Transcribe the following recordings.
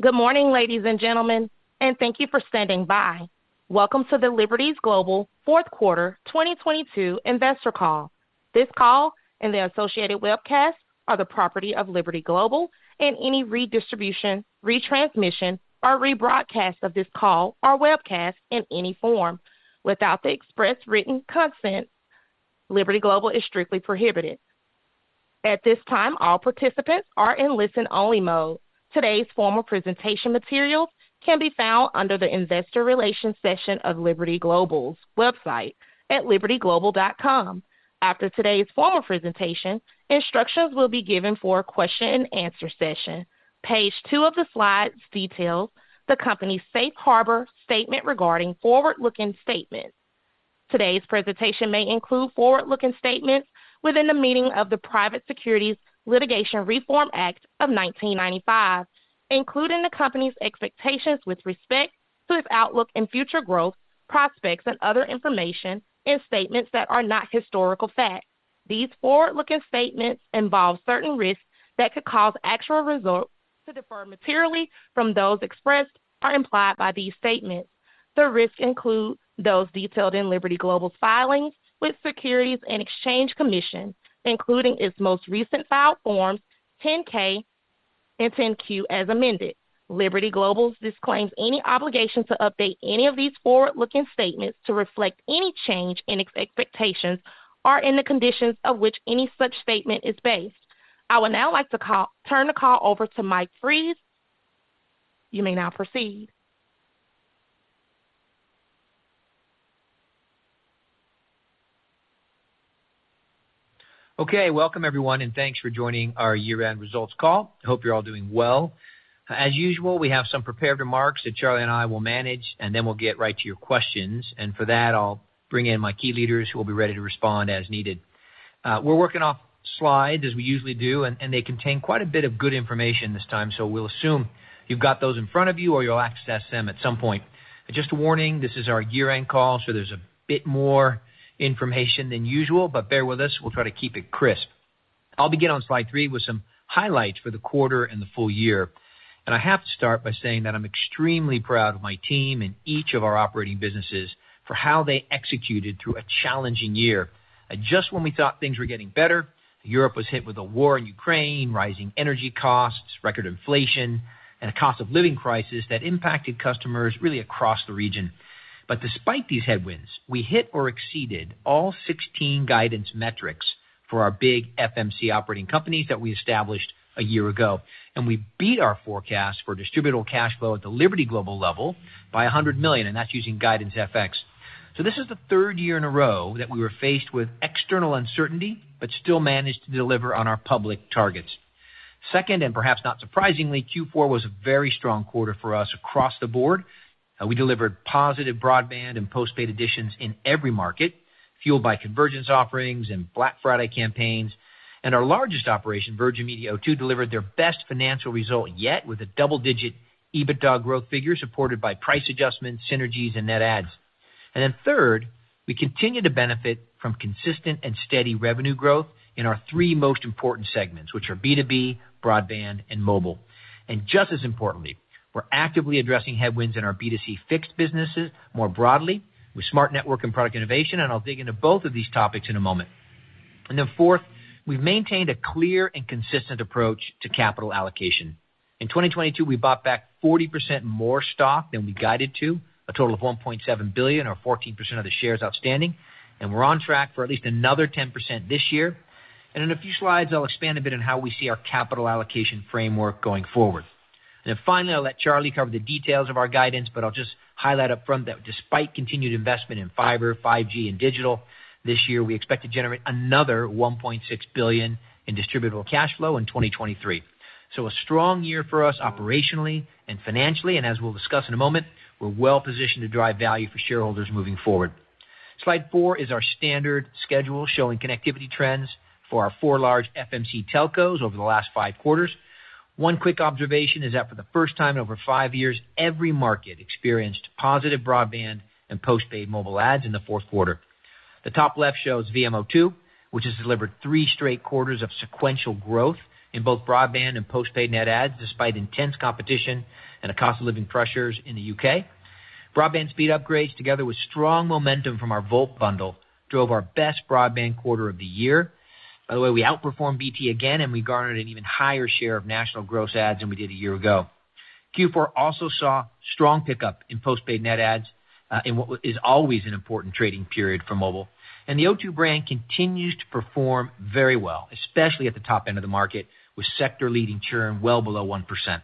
Good morning, ladies and gentlemen, and thank you for standing by. Welcome to the Liberty Global fourth quarter 2022 investor call. This call and the associated webcast are the property of Liberty Global and any redistribution, retransmission, or rebroadcast of this call or webcast in any form without the express written consent Liberty Global is strictly prohibited. At this time, all participants are in listen-only mode. Today's formal presentation materials can be found under the Investor Relations session of Liberty Global's website at libertyglobal.com. After today's formal presentation, instructions will be given for a question and answer session. Page 2 of the slides details the company's safe harbor statement regarding forward-looking statements. Today's presentation may include forward-looking statements within the meaning of the Private Securities Litigation Reform Act of 1995, including the company's expectations with respect to its outlook and future growth prospects and other information and statements that are not historical facts. These forward-looking statements involve certain risks that could cause actual results to defer materially from those expressed or implied by these statements. The risks include those detailed in Liberty Global's filings with Securities and Exchange Commission, including its most recent filed forms 10-K and 10-Q, as amended. Liberty Global disclaims any obligation to update any of these forward-looking statements to reflect any change in expectations or in the conditions of which any such statement is based. I would now like to turn the call over to Mike Fries. You may now proceed. Okay. Welcome, everyone, and thanks for joining our year-end results call. I hope you're all doing well. As usual, we have some prepared remarks that Charlie and I will manage, and then we'll get right to your questions. For that, I'll bring in my key leaders who will be ready to respond as needed. We're working off slides as we usually do, and they contain quite a bit of good information this time, so we'll assume you've got those in front of you or you'll access them at some point. Just a warning, this is our year-end call, so there's a bit more information than usual, but bear with us, we'll try to keep it crisp. I'll begin on slide 3 with some highlights for the quarter and the full year. I have to start by saying that I'm extremely proud of my team and each of our operating businesses for how they executed through a challenging year. Just when we thought things were getting better, Europe was hit with a war in Ukraine, rising energy costs, record inflation, and a cost of living crisis that impacted customers really across the region. Despite these headwinds, we hit or exceeded all 16 guidance metrics for our big FMC operating companies that we established a year ago. We beat our forecast for distributable cash flow at the Liberty Global level by $100 million, and that's using guidance FX. This is the third year in a row that we were faced with external uncertainty, but still managed to deliver on our public targets. Second, perhaps not surprisingly, Q4 was a very strong quarter for us across the board. We delivered positive broadband and postpaid additions in every market, fueled by convergence offerings and Black Friday campaigns. Our largest operation, Virgin Media O2, delivered their best financial result yet with a double-digit EBITDA growth figure supported by price adjustments, synergies, and net adds. Third, we continue to benefit from consistent and steady revenue growth in our three most important segments, which are B2B, broadband, and mobile. Just as importantly, we're actively addressing headwinds in our B2C fixed businesses more broadly with smart network and product innovation, and I'll dig into both of these topics in a moment. Fourth, we've maintained a clear and consistent approach to capital allocation. In 2022, we bought back 40% more stock than we guided to, a total of $1.7 billion, or 14% of the shares outstanding, and we're on track for at least another 10% this year. In a few slides, I'll expand a bit on how we see our capital allocation framework going forward. Finally, I'll let Charlie cover the details of our guidance, but I'll just highlight up front that despite continued investment in fiber, 5G, and digital, this year we expect to generate another $1.6 billion in distributable cash flow in 2023. A strong year for us operationally and financially, and as we'll discuss in a moment, we're well positioned to drive value for shareholders moving forward. Slide 4 is our standard schedule showing connectivity trends for our 4 large FMC telcos over the last 5 quarters. One quick observation is that for the first time in over five years, every market experienced positive broadband and postpaid mobile adds in the fourth quarter. The top left shows VMO2, which has delivered three straight quarters of sequential growth in both broadband and postpaid net adds, despite intense competition and cost of living pressures in the U.K. Broadband speed upgrades, together with strong momentum from our Volt bundle, drove our best broadband quarter of the year. By the way, we outperformed BT again, and we garnered an even higher share of national gross adds than we did a year ago. Q4 also saw strong pickup in postpaid net adds in what is always an important trading period for mobile. The O2 brand continues to perform very well, especially at the top end of the market, with sector-leading churn well below 1%.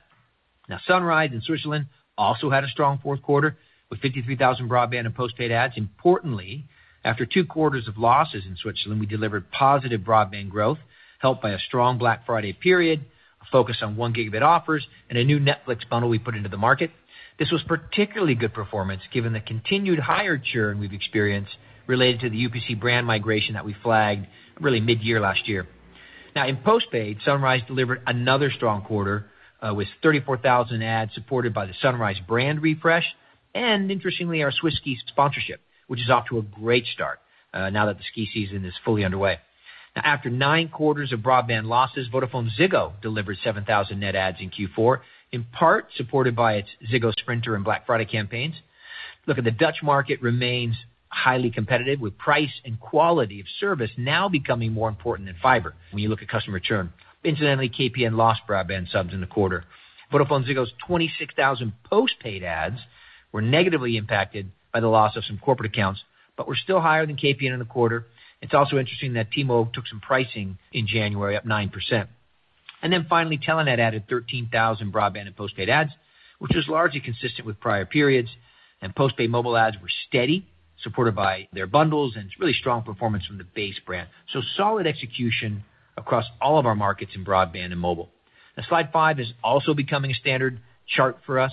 Sunrise in Switzerland also had a strong fourth quarter with 53,000 broadband and postpaid adds. Importantly, after 2 quarters of losses in Switzerland, we delivered positive broadband growth, helped by a strong Black Friday period, a focus on 1 gigabit offers, and a new Netflix bundle we put into the market. This was particularly good performance given the continued higher churn we've experienced related to the UPC brand migration that we flagged really mid-year last year. In postpaid, Sunrise delivered another strong quarter with 34,000 adds supported by the Sunrise brand refresh and interestingly, our Swiss-Ski sponsorship, which is off to a great start, now that the ski season is fully underway. After 9 quarters of broadband losses, VodafoneZiggo delivered 7,000 net adds in Q4, in part supported by its Ziggo Sprinter and Black Friday campaigns. Look at the Dutch market remains highly competitive, with price and quality of service now becoming more important than fiber when you look at customer churn. Incidentally, KPN lost broadband subs in the quarter. VodafoneZiggo's 26,000 postpaid adds were negatively impacted by the loss of some corporate accounts, but were still higher than KPN in the quarter. It's also interesting that T-Mobile took some pricing in January up 9%. Finally, Telenet added 13,000 broadband and postpaid adds, which was largely consistent with prior periods. Postpaid mobile adds were steady, supported by their bundles and its really strong performance from the base brand. Solid execution across all of our markets in broadband and mobile. Slide 5 is also becoming a standard chart for us,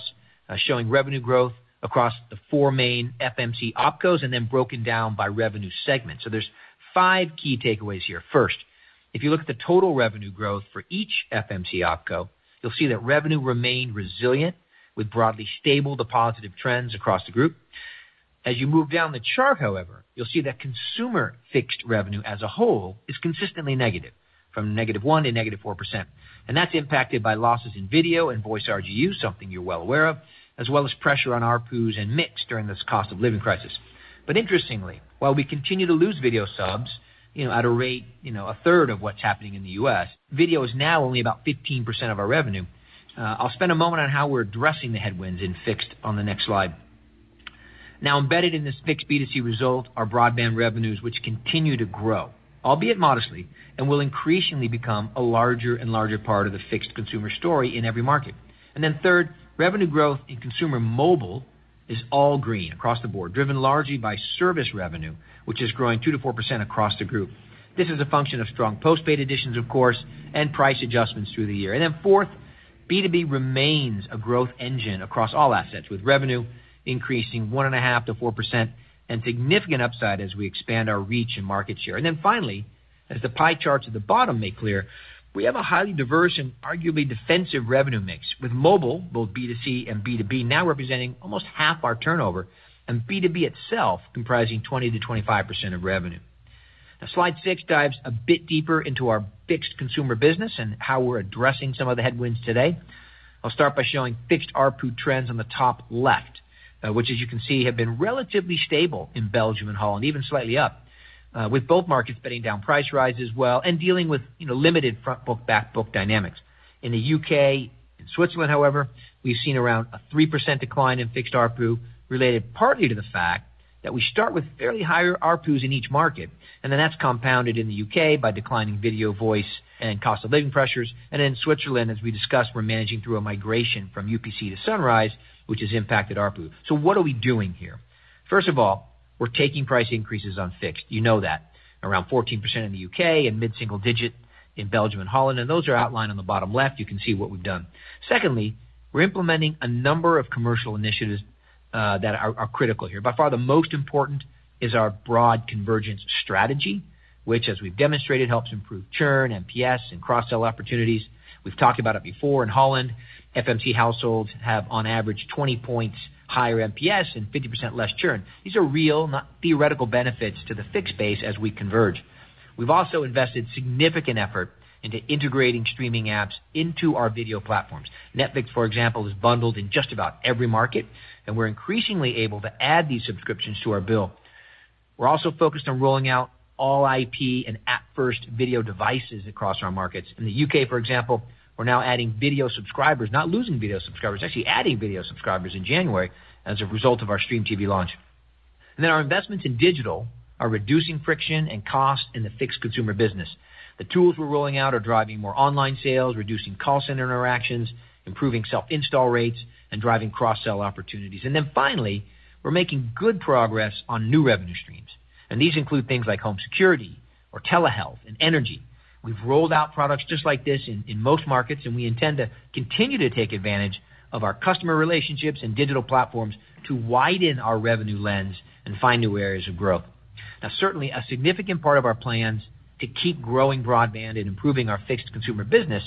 showing revenue growth across the 4 main FMC opcos and then broken down by revenue segment. There's five key takeaways here. First, if you look at the total revenue growth for each FMC opco, you'll see that revenue remained resilient with broadly stable to positive trends across the group. As you move down the chart, however, you'll see that consumer fixed revenue as a whole is consistently negative from negative 1% to negative 4%. That's impacted by losses in video and voice RGU, something you're well aware of, as well as pressure on ARPUs and mix during this cost of living crisis. Interestingly, while we continue to lose video subs, you know, at a rate, you know, a third of what's happening in the U.S., video is now only about 15% of our revenue. I'll spend a moment on how we're addressing the headwinds in fixed on the next slide. Embedded in this fixed B2C result are broadband revenues, which continue to grow, albeit modestly, and will increasingly become a larger and larger part of the fixed consumer story in every market. Third, revenue growth in consumer mobile is all green across the board, driven largely by service revenue, which is growing 2%-4% across the group. This is a function of strong postpaid additions, of course, and price adjustments through the year. Fourth, B2B remains a growth engine across all assets, with revenue increasing 1.5%-4% and significant upside as we expand our reach and market share. Finally, as the pie charts at the bottom make clear, we have a highly diverse and arguably defensive revenue mix, with mobile, both B2C and B2B, now representing almost half our turnover and B2B itself comprising 20%-25% of revenue. Slide 6 dives a bit deeper into our fixed consumer business and how we're addressing some of the headwinds today. I'll start by showing fixed ARPU trends on the top left, which as you can see, have been relatively stable in Belgium and Holland, even slightly up, with both markets bedding down price rise as well and dealing with limited front book, back book dynamics. In the U.K. and Switzerland, however, we've seen around a 3% decline in fixed ARPU related partly to the fact that we start with fairly higher ARPUs in each market, then that's compounded in the U.K. by declining video voice and cost of living pressures. In Switzerland, as we discussed, we're managing through a migration from UPC to Sunrise, which has impacted ARPU. What are we doing here? First of all, we're taking price increases on fixed. You know that. Around 14% in the U.K. and mid-single digit in Belgium and Holland, and those are outlined on the bottom left. You can see what we've done. Secondly, we're implementing a number of commercial initiatives that are critical here. By far, the most important is our broad convergence strategy, which, as we've demonstrated, helps improve churn, NPS and cross-sell opportunities. We've talked about it before. In Holland, FMC households have on average 20 points higher NPS and 50% less churn. These are real, not theoretical benefits to the fixed base as we converge. We've also invested significant effort into integrating streaming apps into our video platforms. Netflix, for example, is bundled in just about every market, and we're increasingly able to add these subscriptions to our bill. We're also focused on rolling out all IP and app-first video devices across our markets. In the U.K., for example, we're now adding video subscribers. Not losing video subscribers, actually adding video subscribers in January as a result of our Stream launch. Our investments in digital are reducing friction and cost in the fixed consumer business. The tools we're rolling out are driving more online sales, reducing call center interactions, improving self-install rates, and driving cross-sell opportunities. Then finally, we're making good progress on new revenue streams. These include things like home security or telehealth and energy. We've rolled out products just like this in most markets, and we intend to continue to take advantage of our customer relationships and digital platforms to widen our revenue lens and find new areas of growth. Now, certainly a significant part of our plans to keep growing broadband and improving our fixed consumer business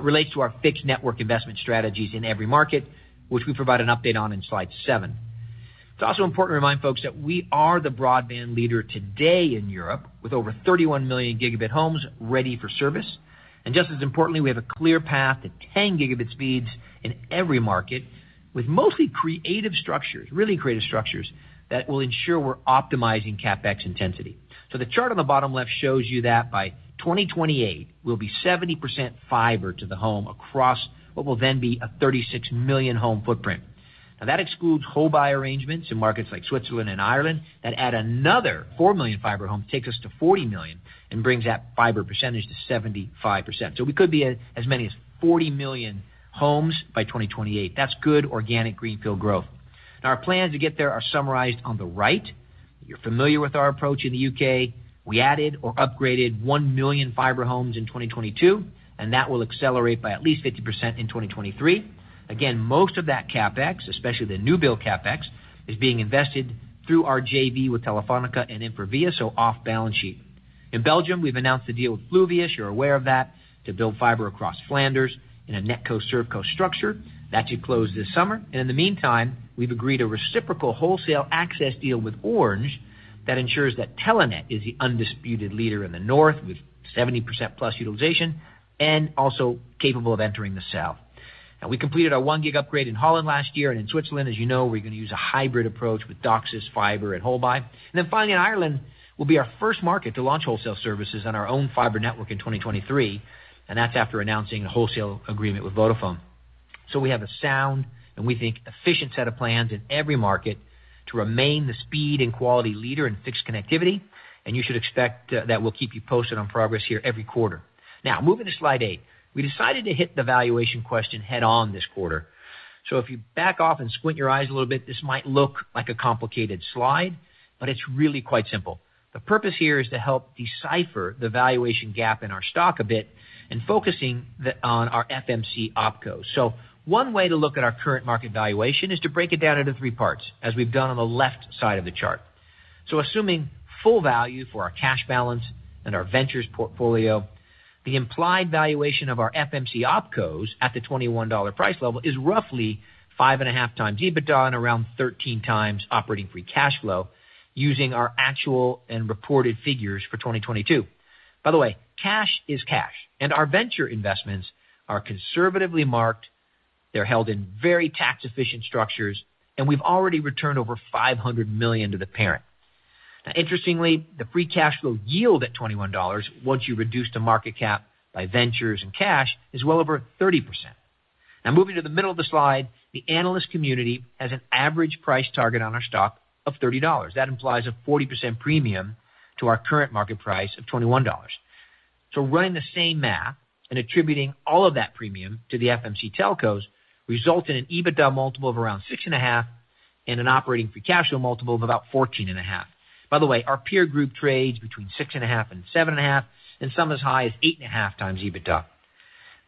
relates to our fixed network investment strategies in every market, which we provide an update on in slide 7. It's also important to remind folks that we are the broadband leader today in Europe with over 31 million gigabit homes ready for service. Just as importantly, we have a clear path to 10 Gigabit speeds in every market with mostly creative structures, really creative structures that will ensure we're optimizing CapEx intensity. The chart on the bottom left shows you that by 2028, we'll be 70% fiber to the home across what will then be a 36 million home footprint. That excludes whole buy arrangements in markets like Switzerland and Ireland that add another 4 million fiber homes, takes us to 40 million and brings that fiber percentage to 75%. We could be as many as 40 million homes by 2028. That's good organic greenfield growth. Our plans to get there are summarized on the right. You're familiar with our approach in the U.K.. We added or upgraded 1 million fiber homes in 2022, that will accelerate by at least 50% in 2023. Again, most of that CapEx, especially the new build CapEx, is being invested through our JV with Telefónica and InfraVia, so off balance sheet. In Belgium, we've announced the deal with Fluvius, you're aware of that, to build fiber across Flanders in a NetCo/ServCo structure. That should close this summer. In the meantime, we've agreed a reciprocal wholesale access deal with Orange that ensures that Telenet is the undisputed leader in the north, with 70% plus utilization and also capable of entering the south. We completed our 1 Gig upgrade in Holland last year. In Switzerland, as you know, we're going to use a hybrid approach with DOCSIS Fiber and Holbai. Finally, in Ireland, will be our first market to launch Wholesale services on our own fiber network in 2023, and that's after announcing a Wholesale agreement with Vodafone. We have a sound, and we think, efficient set of plans in every market to remain the speed and quality leader in fixed connectivity, and you should expect that we'll keep you posted on progress here every quarter. Moving to slide 8. We decided to hit the valuation question head on this quarter. If you back off and squint your eyes a little bit, this might look like a complicated slide, but it's really quite simple. The purpose here is to help decipher the valuation gap in our stock a bit and focusing on our FMC OpCo. One way to look at our current market valuation is to break it down into three parts, as we've done on the left side of the chart. Assuming full value for our cash balance and our ventures portfolio, the implied valuation of our FMC OpCos at the $21 price level is roughly 5.5 times EBITDA and around 13 times operating free cash flow, using our actual and reported figures for 2022. By the way, cash is cash, and our venture investments are conservatively marked. They're held in very tax efficient structures, and we've already returned over $500 million to the parent. Interestingly, the free cash flow yield at $21 once you reduce to market cap by ventures and cash, is well over 30%. Moving to the middle of the slide, the analyst community has an average price target on our stock of $30. That implies a 40% premium to our current market price of $21. Running the same math and attributing all of that premium to the FMC Telcos results in an EBITDA multiple of around 6.5x and an operating free cash flow multiple of about 14.5x. By the way, our peer group trades between 6.5x and 7.5x, and some as high as 8.5x EBITDA.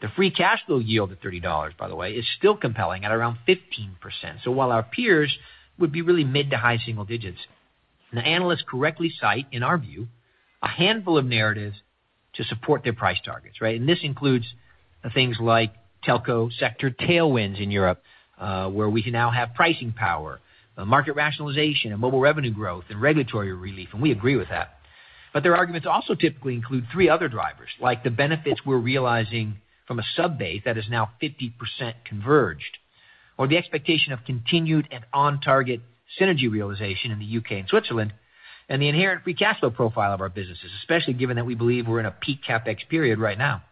The free cash flow yield at $30, by the way, is still compelling at around 15%. While our peers would be really mid to high single digits, the analysts correctly cite, in our view, a handful of narratives to support their price targets, right? This includes things like telco sector tailwinds in Europe, where we can now have pricing power, market rationalization and mobile revenue growth and regulatory relief. We agree with that. Their arguments also typically include three other drivers, like the benefits we're realizing from a sub-base that is now 50% converged, or the expectation of continued and on target synergy realization in the U.K. and Switzerland, and the inherent free cash flow profile of our businesses, especially given that we believe we're in a peak CapEx period right now.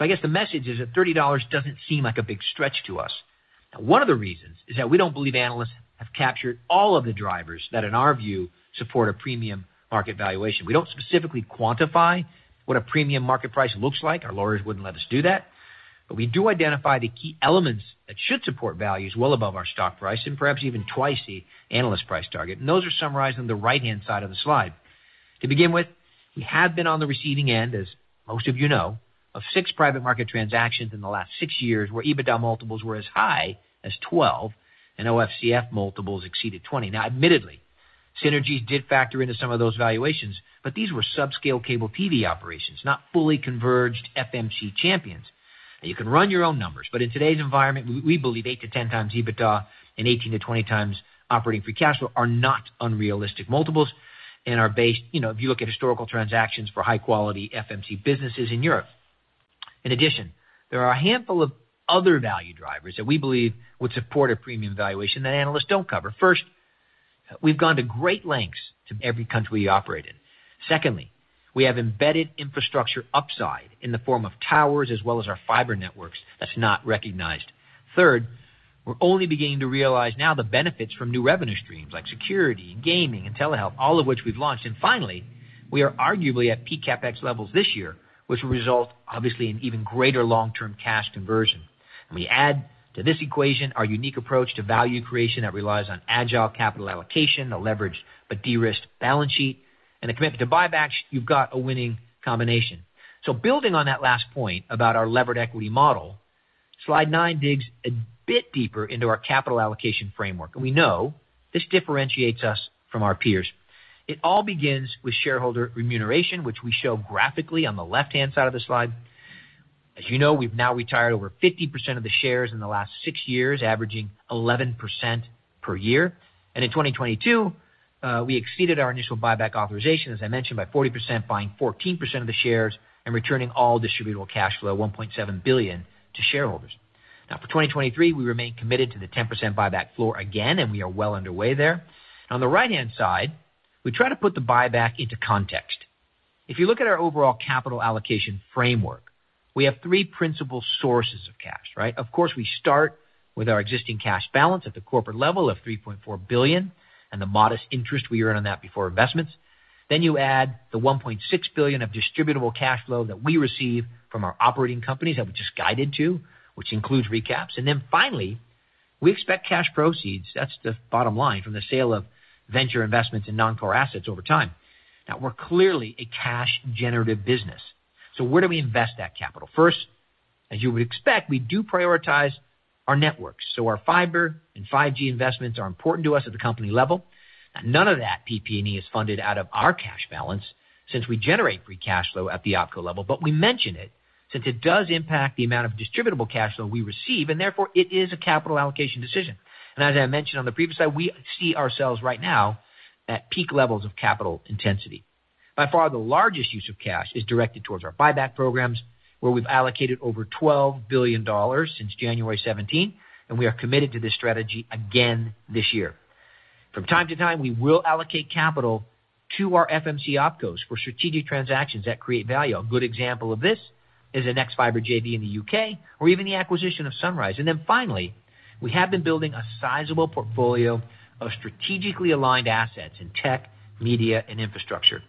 I guess the message is that $30 doesn't seem like a big stretch to us. One of the reasons is that we don't believe analysts have captured all of the drivers that, in our view, support a premium market valuation. We don't specifically quantify what a premium market price looks like. Our lawyers wouldn't let us do that. We do identify the key elements that should support values well above our stock price and perhaps even twice the analyst price target. Those are summarized on the right-hand side of the slide. To begin with, we have been on the receiving end, as most of you know, of 6 private market transactions in the last 6 years, where EBITDA multiples were as high as 12 and OFCF multiples exceeded 20. Now, admittedly, synergies did factor into some of those valuations, but these were subscale cable TV operations, not fully converged FMC champions. You can run your own numbers, but in today's environment, we believe 8-10x EBITDA and 18-20x operating free cash flow are not unrealistic multiples and are based if you look at historical transactions for high quality FMC businesses in Europe. There are a handful of other value drivers that we believe would support a premium valuation that analysts don't cover. First, we've gone to great lengths to every country we operate in. Secondly, we have embedded infrastructure upside in the form of towers as well as our fiber networks that's not recognized. Third, we're only beginning to realize now the benefits from new revenue streams like security, gaming, and telehealth, all of which we've launched. Finally, we are arguably at peak CapEx levels this year, which will result, obviously, in even greater long term cash conversion. We add to this equation our unique approach to value creation that relies on agile capital allocation, a leveraged but de-risked balance sheet, and a commitment to buybacks. You've got a winning combination. Building on that last point about our levered equity model, slide 9 digs a bit deeper into our capital allocation framework. We know this differentiates us from our peers. It all begins with shareholder remuneration, which we show graphically on the left-hand side of the slide. As you know, we've now retired over 50% of the shares in the last six years, averaging 11% per year. In 2022, we exceeded our initial buyback authorization, as I mentioned, by 40%, buying 14% of the shares and returning all distributable cash flow, $1.7 billion, to shareholders. For 2023, we remain committed to the 10% buyback floor again, and we are well underway there. On the right-hand side, we try to put the buyback into context. If you look at our overall capital allocation framework, we have three principal sources of cash, right? Of course, we start with our existing cash balance at the corporate level of $3.4 billion and the modest interest we earn on that before investments. You add the $1.6 billion of distributable cash flow that we receive from our operating companies that we just guided to, which includes recaps. Finally, we expect cash proceeds, that's the bottom line, from the sale of venture investments in non-core assets over time. We're clearly a cash generative business. Where do we invest that capital? First. As you would expect, we do prioritize our networks. Our fiber and 5G investments are important to us at the company level. None of that PP&E is funded out of our cash balance since we generate free cash flow at the opco level. We mention it since it does impact the amount of distributable cash flow we receive, and therefore it is a capital allocation decision. As I mentioned on the previous slide, we see ourselves right now at peak levels of capital intensity. By far, the largest use of cash is directed towards our buyback programs, where we've allocated over $12 billion since January 17, and we are committed to this strategy again this year. From time to time, we will allocate capital to our FMC opcos for strategic transactions that create value. A good example of this is the nexfibre JV in the U.K. or even the acquisition of Sunrise. Finally, we have been building a sizable portfolio of strategically aligned assets in tech, media, and infrastructure.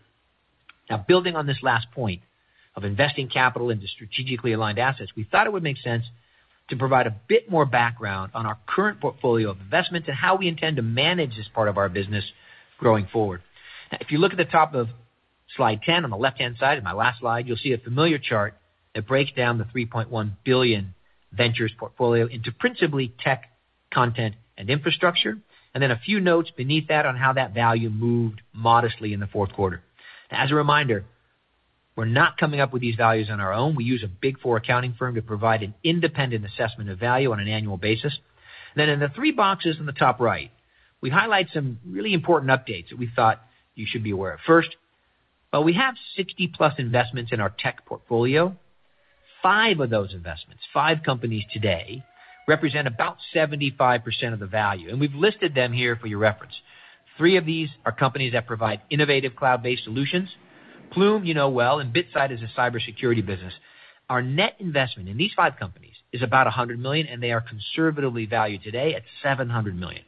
Building on this last point of investing capital into strategically aligned assets, we thought it would make sense to provide a bit more background on our current portfolio of investments and how we intend to manage this part of our business growing forward. If you look at the top of slide 10 on the left-hand side of my last slide, you'll see a familiar chart that breaks down the $3.1 billion ventures portfolio into principally tech, content, and infrastructure. A few notes beneath that on how that value moved modestly in the fourth quarter. As a reminder, we're not coming up with these values on our own. We use a Big Four accounting firm to provide an independent assessment of value on an annual basis. In the 3 boxes in the top right, we highlight some really important updates that we thought you should be aware of. First, while we have 60+ investments in our tech portfolio, 5 of those investments, 5 companies today represent about 75% of the value, and we've listed them here for your reference. 3 of these are companies that provide innovative cloud-based solutions. Plume you know well, and BitSight is a cybersecurity business. Our net investment in these 5 companies is about $100 million, and they are conservatively valued today at $700 million.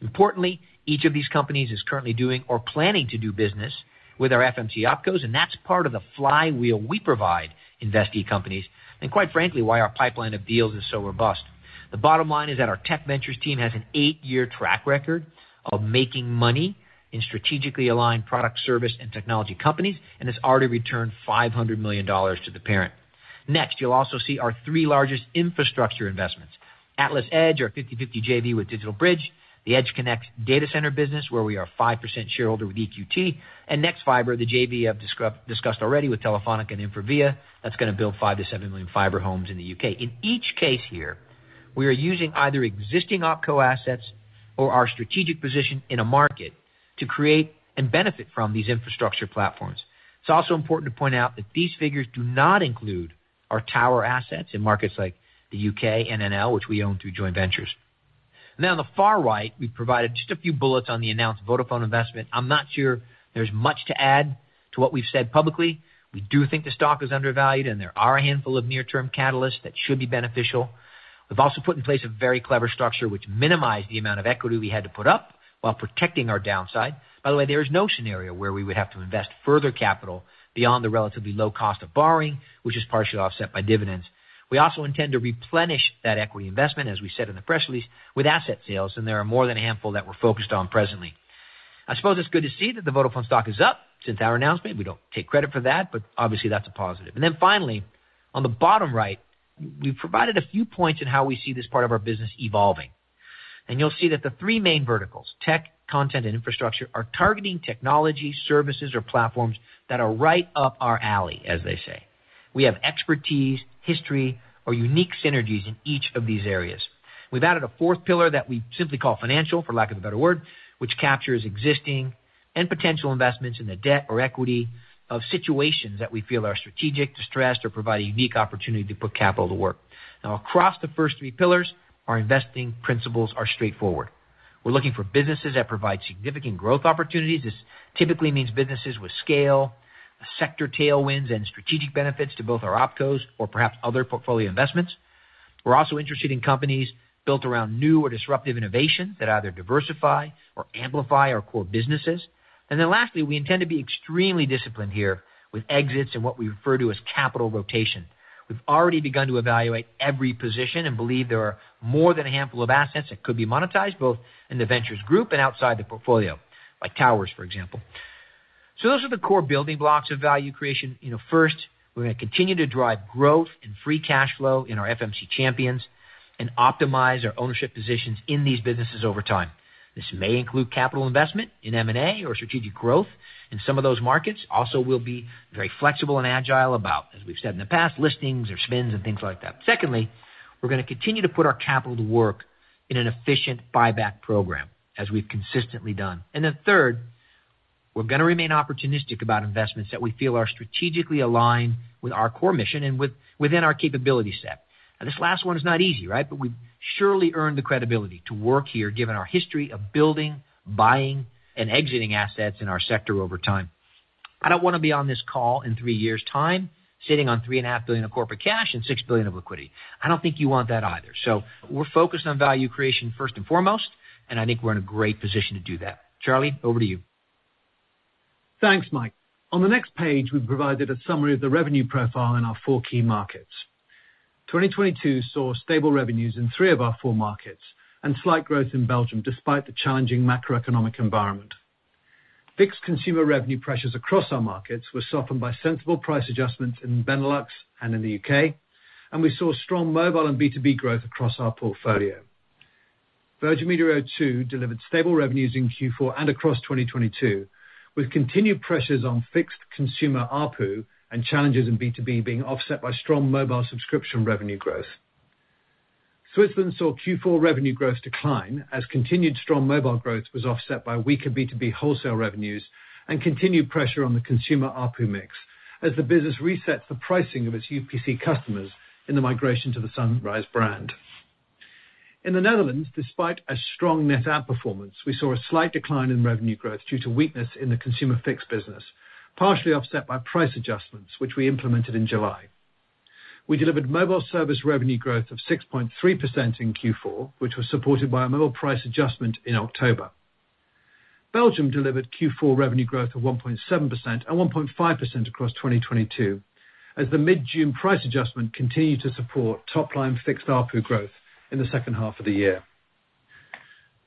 Importantly, each of these companies is currently doing or planning to do business with our FMC opcos, and that's part of the flywheel we provide investee companies and quite frankly, why our pipeline of deals is so robust. The bottom line is that our tech ventures team has an eight-year track record of making money in strategically aligned product service and technology companies and has already returned $500 million to the parent. Next, you'll also see our three largest infrastructure investments. AtlasEdge, our 50/50 JV with DigitalBridge, the EdgeConneX data center business, where we are a 5% shareholder with EQT, and nexfibre, the JV I've discussed already with Telefónica and InfraVia. That's gonna build 5 million-7 million fiber homes in the U.K.. In each case here, we are using either existing OpCo assets or our strategic position in a market to create and benefit from these infrastructure platforms. It's also important to point out that these figures do not include our tower assets in markets like the U.K. and NL, which we own through joint ventures. On the far right, we've provided just a few bullets on the announced Vodafone investment. I'm not sure there's much to add to what we've said publicly. We do think the stock is undervalued and there are a handful of near-term catalysts that should be beneficial. We've also put in place a very clever structure which minimized the amount of equity we had to put up while protecting our downside. There is no scenario where we would have to invest further capital beyond the relatively low cost of borrowing, which is partially offset by dividends. We also intend to replenish that equity investment, as we said in the press release, with asset sales, and there are more than a handful that we're focused on presently. I suppose it's good to see that the Vodafone stock is up since our announcement. We don't take credit for that, obviously that's a positive. Finally, on the bottom right, we've provided a few points in how we see this part of our business evolving. You'll see that the three main verticals, tech, content, and infrastructure, are targeting technology services or platforms that are right up our alley, as they say. We have expertise, history or unique synergies in each of these areas. We've added a fourth pillar that we simply call financial, for lack of a better word, which captures existing and potential investments in the debt or equity of situations that we feel are strategic, distressed, or provide a unique opportunity to put capital to work. Now, across the first three pillars, our investing principles are straightforward. We're looking for businesses that provide significant growth opportunities. This typically means businesses with scale, sector tailwinds, and strategic benefits to both our OpCos or perhaps other portfolio investments. We're also interested in companies built around new or disruptive innovation that either diversify or amplify our core businesses. Lastly, we intend to be extremely disciplined here with exits and what we refer to as capital rotation. We've already begun to evaluate every position and believe there are more than a handful of assets that could be monetized, both in the ventures group and outside the portfolio, like towers, for example. Those are the core building blocks of value creation. First, we're gonna continue to drive growth and free cash flow in our FMC champions and optimize our ownership positions in these businesses over time. This may include capital investment in M&A or strategic growth in some of those markets. We'll be very flexible and agile about, as we've said in the past, listings or spins and things like that. Secondly, we're gonna continue to put our capital to work in an efficient buyback program, as we've consistently done. Then third, we're gonna remain opportunistic about investments that we feel are strategically aligned with our core mission and within our capability set. This last one is not easy, right? We've surely earned the credibility to work here given our history of building, buying, and exiting assets in our sector over time. I don't wanna be on this call in three years' time, sitting on three and a half billion of corporate cash and $6 billion of liquidity. I don't think you want that either. We're focused on value creation first and foremost, and I think we're in a great position to do that. Charlie, over to you. Thanks, Mike. On the next page, we've provided a summary of the revenue profile in our four key markets. 2022 saw stable revenues in three of our four markets and slight growth in Belgium despite the challenging macroeconomic environment. Fixed consumer revenue pressures across our markets were softened by sensible price adjustments in Benelux and in the U.K., and we saw strong mobile and B2B growth across our portfolio. Virgin Media O2 delivered stable revenues in Q4 and across 2022, with continued pressures on fixed consumer ARPU and challenges in B2B being offset by strong mobile subscription revenue growth. Switzerland saw Q4 revenue growth decline as continued strong mobile growth was offset by weaker B2B wholesale revenues and continued pressure on the consumer ARPU mix as the business resets the pricing of its UPC customers in the migration to the Sunrise brand. In the Netherlands, despite a strong net add performance, we saw a slight decline in revenue growth due to weakness in the consumer fixed business, partially offset by price adjustments, which we implemented in July. We delivered mobile service revenue growth of 6.3% in Q4, which was supported by a mobile price adjustment in October. Belgium delivered Q4 revenue growth of 1.7% and 1.5% across 2022, as the mid-June price adjustment continued to support top line fixed ARPU growth in the second half of the year.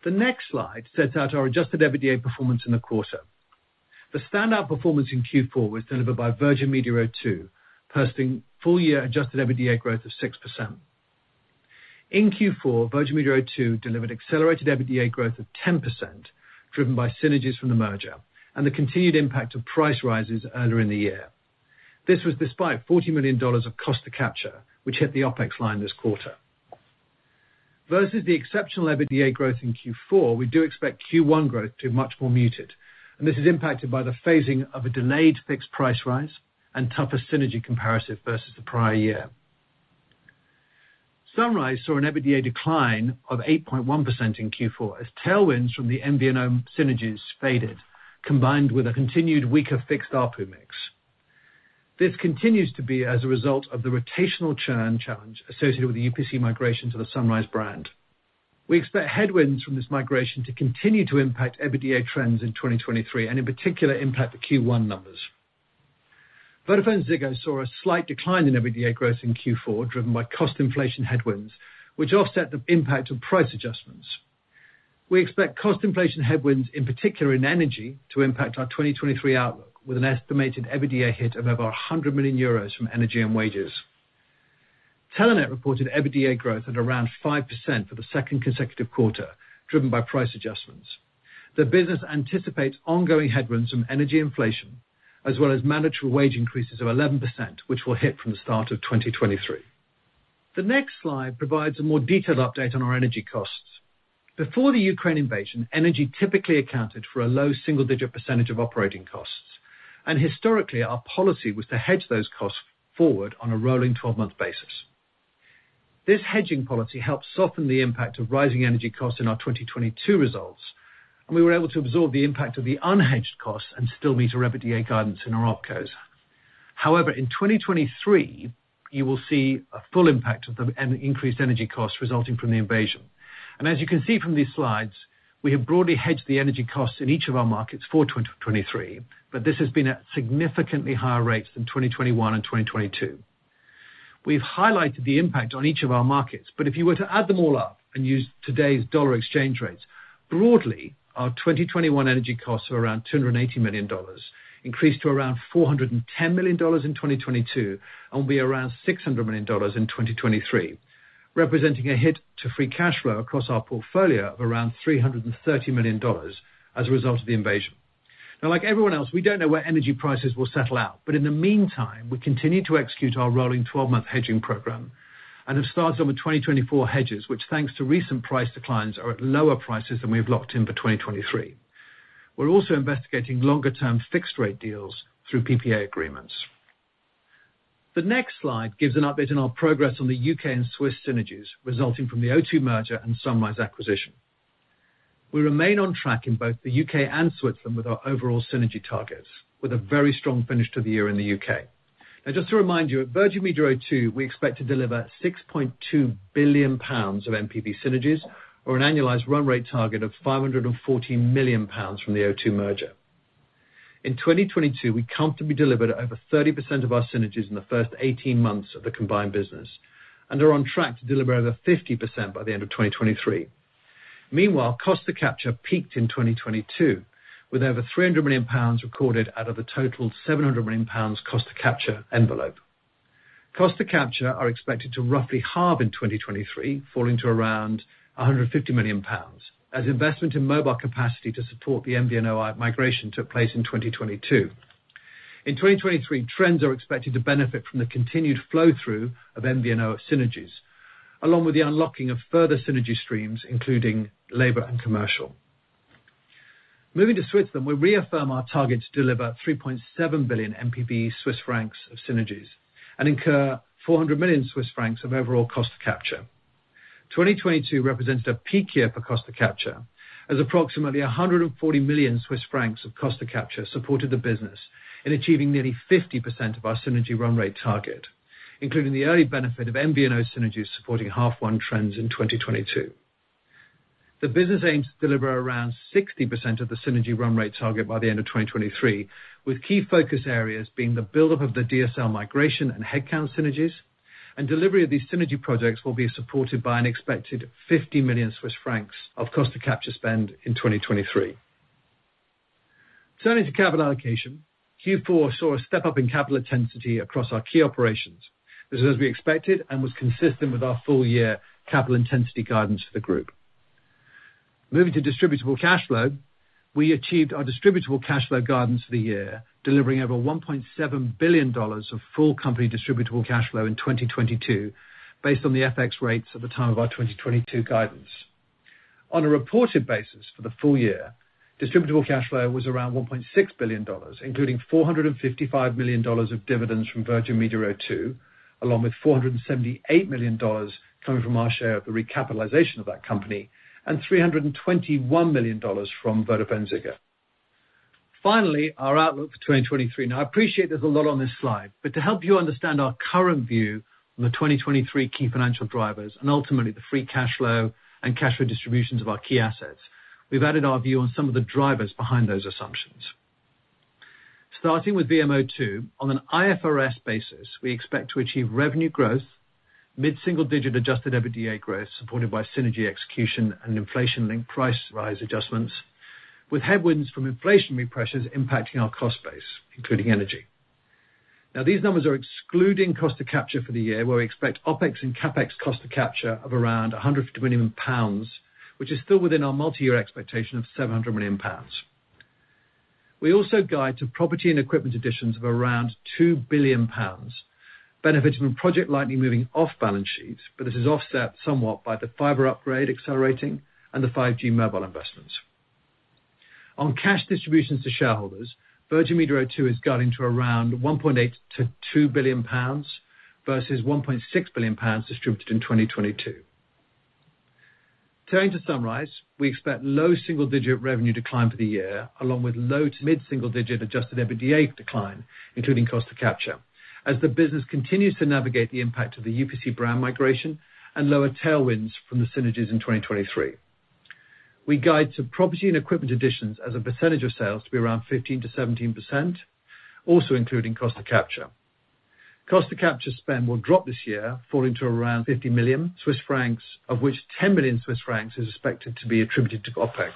The next slide sets out our adjusted EBITDA performance in the quarter. The standout performance in Q4 was delivered by Virgin Media O2, posting full-year adjusted EBITDA growth of 6%. In Q4, Virgin Media O2 delivered accelerated EBITDA growth of 10%, driven by synergies from the merger, and the continued impact of price rises earlier in the year. This was despite $40 million of cost to capture, which hit the OpEx line this quarter. Versus the exceptional EBITDA growth in Q4, we do expect Q1 growth to be much more muted, and this is impacted by the phasing of a delayed fixed price rise and tougher synergy comparison versus the prior year. Sunrise saw an EBITDA decline of 8.1% in Q4 as tailwinds from the MVNO synergies faded, combined with a continued weaker fixed ARPU mix. This continues to be as a result of the rotational churn challenge associated with the UPC migration to the Sunrise brand. We expect headwinds from this migration to continue to impact EBITDA trends in 2023, and in particular, impact the Q1 numbers. VodafoneZiggo saw a slight decline in EBITDA growth in Q4, driven by cost inflation headwinds, which offset the impact of price adjustments. We expect cost inflation headwinds, in particular in energy, to impact our 2023 outlook, with an estimated EBITDA hit of over 100 million euros from energy and wages. Telenet reported EBITDA growth at around 5% for the second consecutive quarter, driven by price adjustments. The business anticipates ongoing headwinds from energy inflation, as well as mandatory wage increases of 11%, which will hit from the start of 2023. The next slide provides a more detailed update on our energy costs. Before the Ukraine invasion, energy typically accounted for a low single-digit % of operating costs. Historically, our policy was to hedge those costs forward on a rolling 12-month basis. This hedging policy helped soften the impact of rising energy costs in our 2022 results, and we were able to absorb the impact of the unhedged costs and still meet our EBITDA guidance in our opcos. However, in 2023, you will see a full impact of the increased energy costs resulting from the invasion. As you can see from these slides, we have broadly hedged the energy costs in each of our markets for 2023, but this has been at significantly higher rates than 2021 and 2022. We've highlighted the impact on each of our markets, if you were to add them all up and use today's dollar exchange rates, broadly, our 2021 energy costs are around $280 million, increased to around $410 million in 2022, and will be around $600 million in 2023, representing a hit to free cash flow across our portfolio of around $330 million as a result of the invasion. Like everyone else, we don't know where energy prices will settle out, in the meantime, we continue to execute our rolling 12-month hedging program and have started on the 2024 hedges, which, thanks to recent price declines, are at lower prices than we've locked in for 2023. We're also investigating longer-term fixed rate deals through PPA agreements. The next slide gives an update on our progress on the U.K. and Swiss synergies resulting from the O2 merger and Sunrise acquisition. We remain on track in both the U.K. and Switzerland with our overall synergy targets, with a very strong finish to the year in the U.K.. Just to remind you, at Virgin Media O2, we expect to deliver 6.2 billion pounds of MPV synergies or an annualized run rate target of 540 million pounds from the O2 merger. In 2022, we comfortably delivered over 30% of our synergies in the first 18 months of the combined business and are on track to deliver over 50% by the end of 2023. Costs to capture peaked in 2022, with over 300 million pounds recorded out of the total 700 million pounds cost to capture envelope. Costs to capture are expected to roughly halve in 2023, falling to around 150 million pounds, as investment in mobile capacity to support the MVNO migration took place in 2022. In 2023, trends are expected to benefit from the continued flow-through of MVNO synergies, along with the unlocking of further synergy streams, including labor and commercial. Moving to Switzerland, we reaffirm our target to deliver 3.7 billion MPV Swiss francs of synergies and incur 400 million Swiss francs of overall cost to capture. 2022 represented a peak year for cost to capture, as approximately 140 million Swiss francs of cost to capture supported the business in achieving nearly 50% of our synergy run rate target, including the early benefit of MVNO synergies supporting H1 trends in 2022. The business aims to deliver around 60% of the synergy run rate target by the end of 2023, with key focus areas being the buildup of the DSL migration and headcount synergies. Delivery of these synergy projects will be supported by an expected 50 million Swiss francs of cost to capture spend in 2023. Turning to capital allocation, Q4 saw a step-up in capital intensity across our key operations. This is as we expected and was consistent with our full year capital intensity guidance to the group. Moving to distributable cash flow, we achieved our distributable cash flow guidance for the year, delivering over $1.7 billion of full company distributable cash flow in 2022 based on the FX rates at the time of our 2022 guidance. On a reported basis for the full year, distributable cash flow was around $1.6 billion, including $455 million of dividends from Virgin Media O2, along with $478 million coming from our share of the recapitalization of that company, and $321 million from VodafoneZiggo. Finally, our outlook for 2023. Now, I appreciate there's a lot on this slide, but to help you understand our current view on the 2023 key financial drivers and ultimately the free cash flow and cash flow distributions of our key assets, we've added our view on some of the drivers behind those assumptions. Starting with VMO2, on an IFRS basis, we expect to achieve revenue growth, mid-single digit adjusted EBITDA growth supported by synergy execution and inflation-linked price rise adjustments, with headwinds from inflationary pressures impacting our cost base, including energy. These numbers are excluding cost to capture for the year, where we expect OpEx and CapEx cost to capture of around 100 million pounds, which is still within our multi-year expectation of 700 million pounds. We also guide to property and equipment additions of around 2 billion pounds, benefiting from Project Lightning moving off balance sheet, this is offset somewhat by the fiber upgrade accelerating and the 5G mobile investments. On cash distributions to shareholders, Virgin Media O2 is guiding to around 1.8 billion-2 billion pounds versus 1.6 billion pounds distributed in 2022. Turning to Sunrise, we expect low single-digit revenue decline for the year, along with low to mid-single digit adjusted EBITDA decline, including cost to capture, as the business continues to navigate the impact of the UPC brand migration and lower tailwinds from the synergies in 2023. We guide to property and equipment additions as a percentage of sales to be around 15%-17%, also including cost to capture. Cost to capture spend will drop this year, falling to around 50 million Swiss francs, of which 10 million Swiss francs is expected to be attributed to OpEx.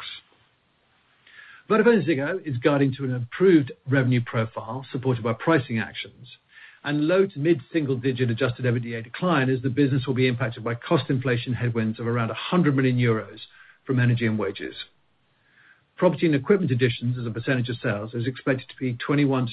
VodafoneZiggo is guiding to an improved revenue profile supported by pricing actions and low to mid-single digit adjusted EBITDA decline as the business will be impacted by cost inflation headwinds of around 100 million euros from energy and wages. Property and equipment additions as a percentage of sales is expected to be 21%-23%.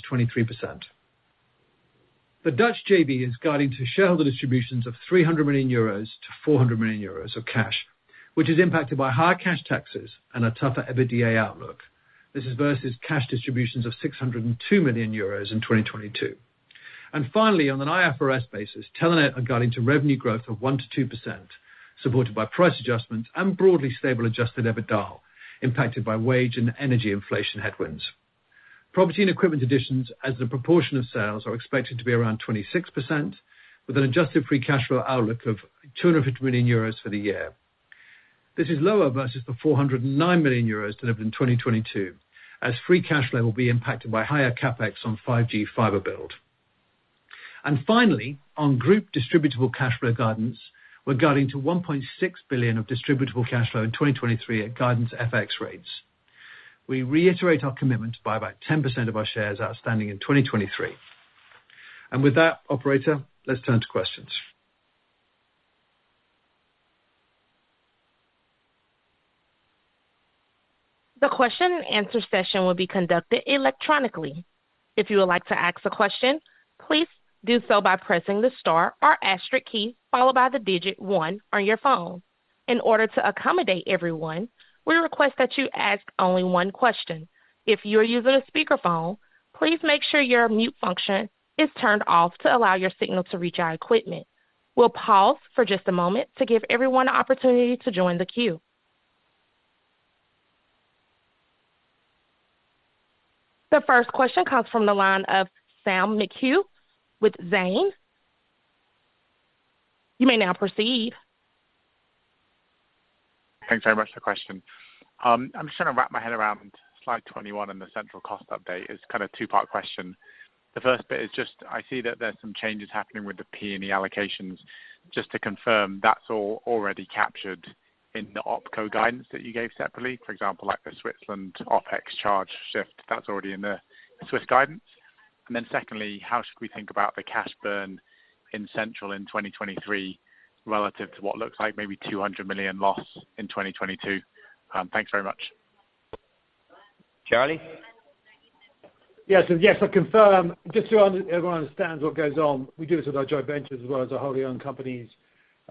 The Dutch JV is guiding to shareholder distributions of 300 million-400 million euros of cash, which is impacted by higher cash taxes and a tougher EBITDA outlook. This is versus cash distributions of 602 million euros in 2022. Finally, on an IFRS basis, Telenet are guiding to revenue growth of 1%-2%, supported by price adjustments and broadly stable adjusted EBITDA, impacted by wage and energy inflation headwinds. Property and equipment additions as a proportion of sales are expected to be around 26%, with an adjusted free cash flow outlook of 250 million euros for the year. This is lower versus the 409 million euros delivered in 2022, as free cash flow will be impacted by higher CapEx on 5G fiber build. Finally, on group distributable cash flow guidance, we're guiding to 1.6 billion of distributable cash flow in 2023 at guidance FX rates. We reiterate our commitment to buy back 10% of our shares outstanding in 2023. With that, operator, let's turn to questions. The question and answer session will be conducted electronically. If you would like to ask a question, please do so by pressing the star or asterisk key followed by the digit one on your phone. In order to accommodate everyone, we request that you ask only one question. If you are using a speakerphone, please make sure your mute function is turned off to allow your signal to reach our equipment. We'll pause for just a moment to give everyone an opportunity to join the queue. The first question comes from the line of Sam McHugh with Exane. You may now proceed. Thanks very much for the question. I'm just trying to wrap my head around slide 21 and the central cost update. It's kind of a two-part question. The first bit is just I see that there's some changes happening with the P&E allocations. Just to confirm, that's all already captured in the OpCo guidance that you gave separately? For example, like the Switzerland OpEx charge shift, that's already in the Swiss guidance. Secondly, how should we think about the cash burn in Central in 2023 relative to what looks like maybe $200 million loss in 2022? Thanks very much. Charlie? Yes. Yes, I confirm. Just so everyone understands what goes on, we do this with our joint ventures as well as our wholly owned companies.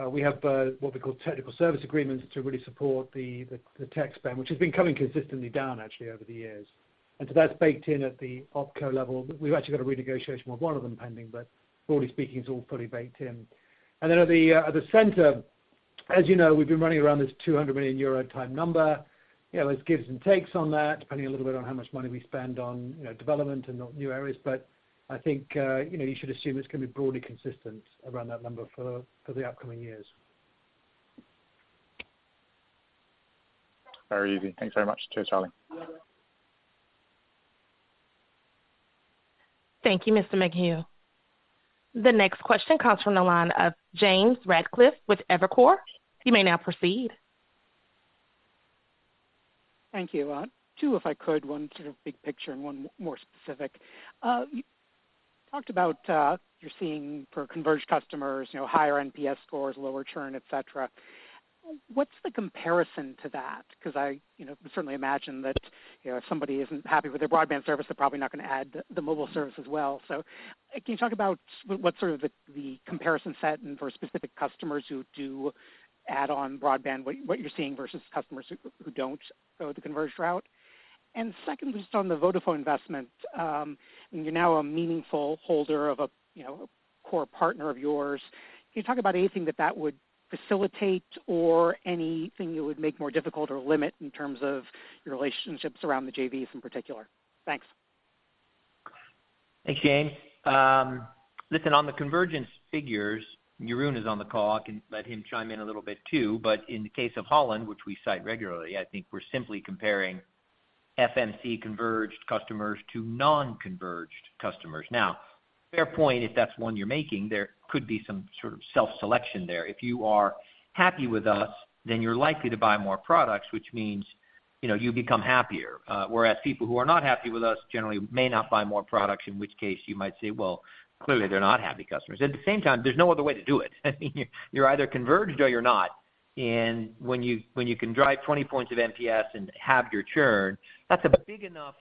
We have what we call technical service agreements to really support the tech spend, which has been coming consistently down actually over the years. That's baked in at the OpCo level. We've actually got a renegotiation with one of them pending, but broadly speaking, it's all fully baked in. At the center, as you know, we've been running around this 200 million euro type number. You know, there's gives and takes on that, depending a little bit on how much money we spend on, you know, development in the new areas. I think, you know, you should assume it's gonna be broadly consistent around that number for the upcoming years. Very easy. Thanks very much. Cheers, Charlie. Thank you, Mr. McHugh. The next question comes from the line of James Ratcliffe with Evercore. You may now proceed. Thank you. Two, if I could, one sort of big picture and one more specific. You talked about, you're seeing for converged customers, you know, higher NPS scores, lower churn, et cetera. What's the comparison to that? Because I, you know, certainly imagine that, you know, if somebody isn't happy with their broadband service, they're probably not gonna add the mobile service as well. Can you talk about what sort of the comparison set and for specific customers who do add on broadband, what you're seeing versus customers who don't go the converged route? Secondly, just on the Vodafone investment, you're now a meaningful holder of a, you know, a core partner of yours. Can you talk about anything that would facilitate or anything it would make more difficult or limit in terms of your relationships around the JVs in particular? Thanks. Thanks, James. Listen, on the convergence figures, Jeroen is on the call. I can let him chime in a little bit too, but in the case of Holland, which we cite regularly, I think we're simply comparing FMC converged customers to non-converged customers. Fair point, if that's one you're making, there could be some sort of self-selection there. If you are happy with us, then you're likely to buy more products, which means, you know, you become happier. Whereas people who are not happy with us generally may not buy more products, in which case you might say, well, clearly they're not happy customers. There's no other way to do it. I mean, you're either converged or you're not. When you can drive 20 points of NPS and halve your churn, that's a big enough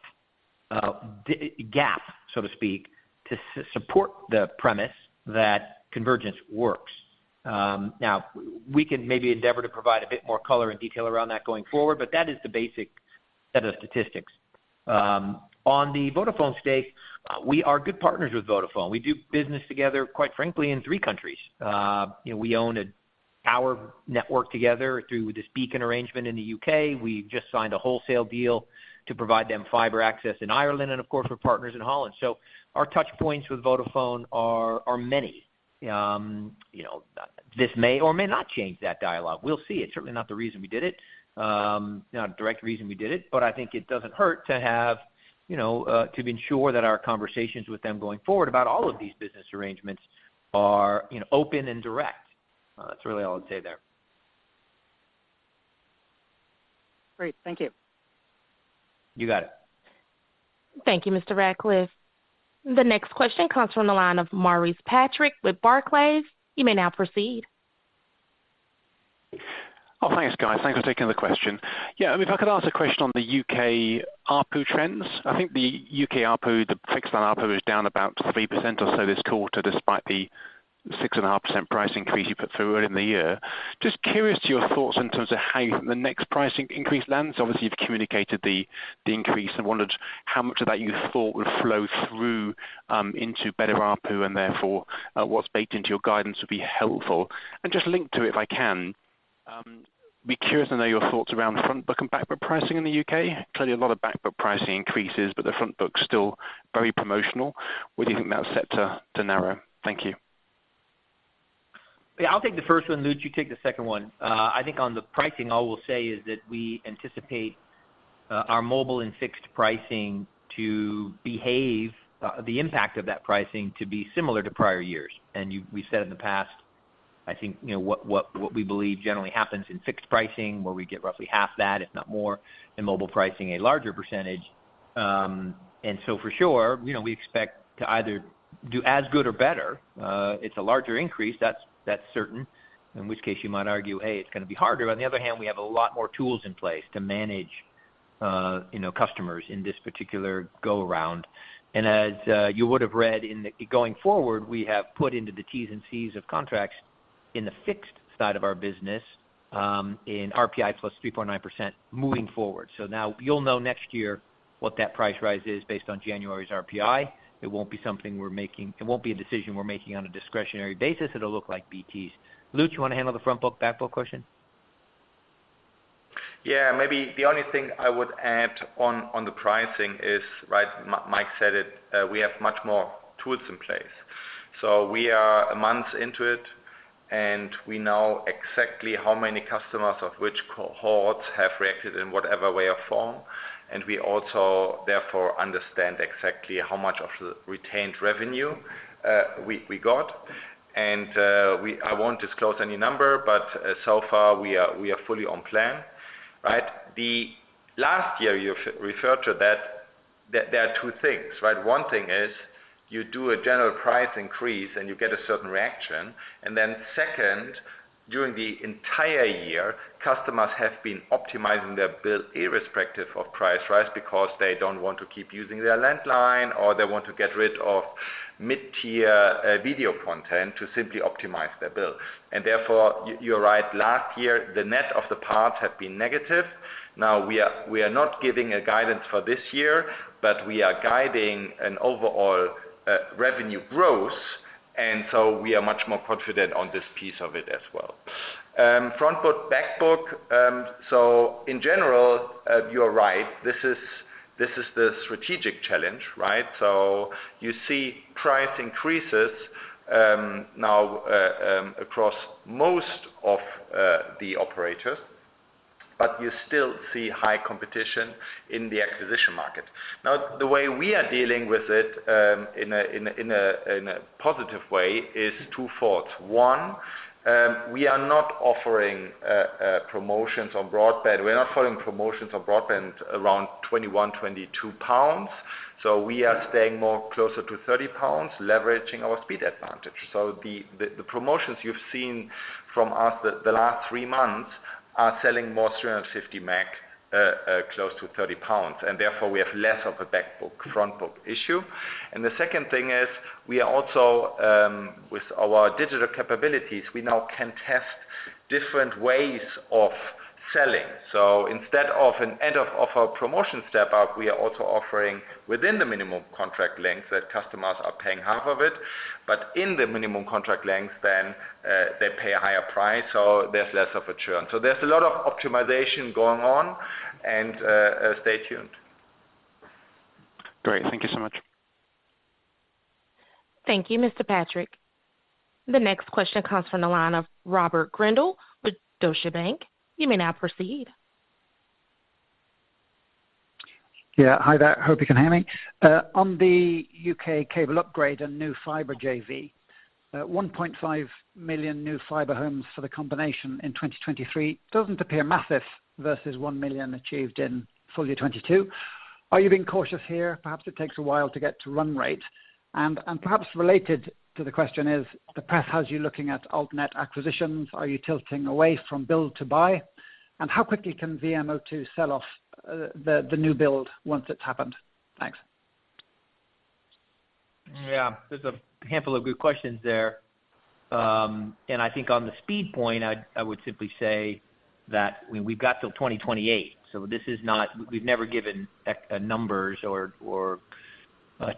gap, so to speak, to support the premise that convergence works. Now we can maybe endeavor to provide a bit more color and detail around that going forward, but that is the basic set of statistics. On the Vodafone stake, we are good partners with Vodafone. We do business together, quite frankly, in 3 countries. You know, we own a power network together through this Beacon arrangement in the U.K.. We just signed a wholesale deal to provide them fiber access in Ireland and of course, we're partners in Holland. Our touchpoints with Vodafone are many. You know, this may or may not change that dialogue. We'll see. It's certainly not the reason we did it, not a direct reason we did it, but I think it doesn't hurt to have, you know, to ensure that our conversations with them going forward about all of these business arrangements are, you know, open and direct. That's really all I'd say there. Great. Thank you. You got it. Thank you, Mr. Ratcliffe. The next question comes from the line of Maurice Patrick with Barclays. You may now proceed. Thanks, guys. Thanks for taking the question. If I could ask a question on the U.K. ARPU trends. I think the U.K. ARPU, the fixed line ARPU is down about 3% or so this quarter, despite the 6.5% price increase you put through early in the year. Just curious to your thoughts in terms of how you think the next pricing increase lands. Obviously, you've communicated the increase. I wondered how much of that you thought would flow through into better ARPU, and therefore what's baked into your guidance would be helpful. Just linked to it, if I can, be curious to know your thoughts around front book and back book pricing in the U.K.. Clearly a lot of back book pricing increases, but the front book's still very promotional. Where do you think that's set to narrow? Thank you. Yeah, I'll take the first one. Lutz, you take the second one. I think on the pricing, all we'll say is that we anticipate our mobile and fixed pricing to behave, the impact of that pricing to be similar to prior years. We said in the past, I think, you know, what we believe generally happens in fixed pricing, where we get roughly half that, if not more, in mobile pricing, a larger percentage. For sure, you know, we expect to either do as good or better. It's a larger increase, that's certain. In which case you might argue, hey, it's gonna be harder. On the other hand, we have a lot more tools in place to manage, you know, customers in this particular go-around. As you would have read, going forward, we have put into the T's and C's of contracts in the fixed side of our business, in RPI plus 3.9% moving forward. Now you'll know next year what that price rise is based on January's RPI. It won't be something we're making. It won't be a decision we're making on a discretionary basis. It'll look like BT's. Lutz, you wanna handle the front book, back book question? Yeah. Maybe the only thing I would add on the pricing is, right, Mike said it, we have much more tools in place. We are a month into it, and we know exactly how many customers of which cohorts have reacted in whatever way or form. We also therefore understand exactly how much of the retained revenue we got. I won't disclose any number, but so far we are fully on plan, right? The last year you've referred to that, there are two things, right? One thing is you do a general price increase and you get a certain reaction. Second, during the entire year, customers have been optimizing their bill irrespective of price rise because they don't want to keep using their landline or they want to get rid of mid-tier video content to simply optimize their bill. Therefore, you're right. Last year, the net of the parts have been negative. We are not giving a guidance for this year, but we are guiding an overall revenue growth, and so we are much more confident on this piece of it as well. Front book, back book. In general, you're right. This is the strategic challenge, right? You see price increases now across most of the operators. You still see high competition in the acquisition market. The way we are dealing with it in a positive way is twofold. One, we are not offering promotions on broadband. We're not offering promotions on broadband around 21-22 pounds. We are staying more closer to 30 pounds, leveraging our speed advantage. The promotions you've seen from us the last 3 months are selling more 350 meg, close to 30 pounds. We have less of a backbook, front book issue. The second thing is we are also, with our digital capabilities, we now can test different ways of selling. Instead of an end of offer promotion step-up, we are also offering within the minimum contract length that customers are paying half of it. In the minimum contract length then, they pay a higher price, so there's less of a churn. There's a lot of optimization going on and stay tuned. Great. Thank you so much. Thank you, Mr. Patrick. The next question comes from the line of Robert Grindle with Deutsche Bank. You may now proceed. Yeah. Hi there. Hope you can hear me. On the U.K. cable upgrade and new fiber JV, 1.5 million new fiber homes for the combination in 2023 doesn't appear massive versus 1 million achieved in full year 2022. Are you being cautious here? Perhaps it takes a while to get to run rate. Perhaps related to the question is, the press has you looking at Altnet acquisitions. Are you tilting away from build to buy? How quickly can VMO2 sell off the new build once it's happened? Thanks. Yeah. There's a handful of good questions there. I would simply say that we've got till 2028. We've never given numbers or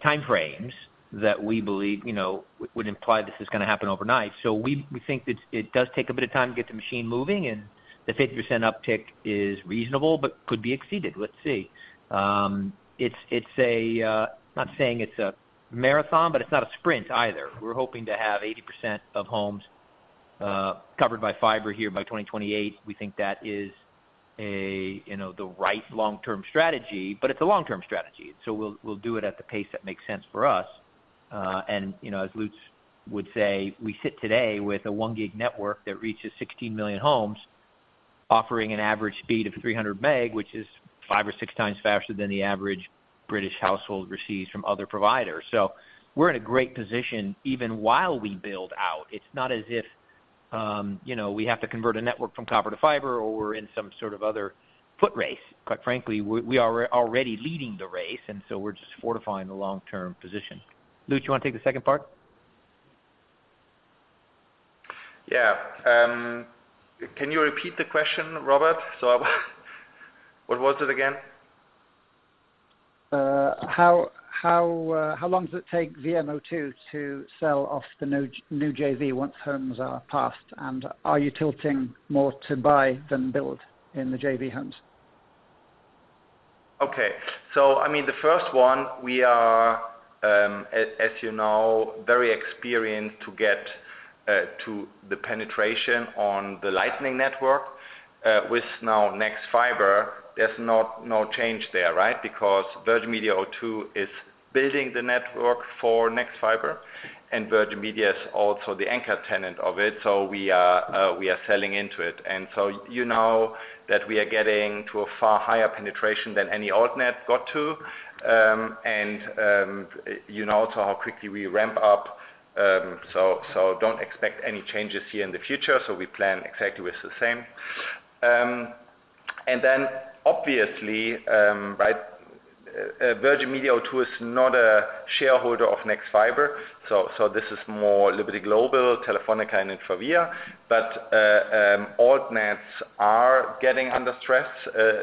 time frames that we believe, you know, would imply this is gonna happen overnight. We think that it does take a bit of time to get the machine moving, and the 50% uptick is reasonable but could be exceeded. Let's see. It's not saying it's a marathon, but it's not a sprint either. We're hoping to have 80% of homes covered by fiber here by 2028. We think that is a, you know, the right long-term strategy, but it's a long-term strategy. We'll do it at the pace that makes sense for us. You know, as Lutz would say, we sit today with a 1 Gb network that reaches 16 million homes, offering an average speed of 300 Mbps, which is 5x or 6x faster than the average British household receives from other providers. We're in a great position even while we build out. It's not as if, you know, we have to convert a network from copper to fiber or we're in some sort of other foot race. Quite frankly, we are already leading the race, we're just fortifying the long-term position. Lutz, you wanna take the second part? Yeah. Can you repeat the question, Robert? What was it again? How long does it take VMO2 to sell off the new JV once homes are passed? Are you tilting more to buy than build in the JV homes? Okay. The first one, we are, as you know, very experienced to get to the penetration on the Lightning network. With now nexfibre, there's no change there, right? Virgin Media O2 is building the network for nexfibre, and Virgin Media is also the anchor tenant of it. We are selling into it. You know that we are getting to a far higher penetration than any altnet got to. And you know also how quickly we ramp up, don't expect any changes here in the future. We plan exactly with the same. Obviously, Virgin Media O2 is not a shareholder of nexfibre, this is more Liberty Global, Telefónica, and InfraVia. Altnets are getting under stress.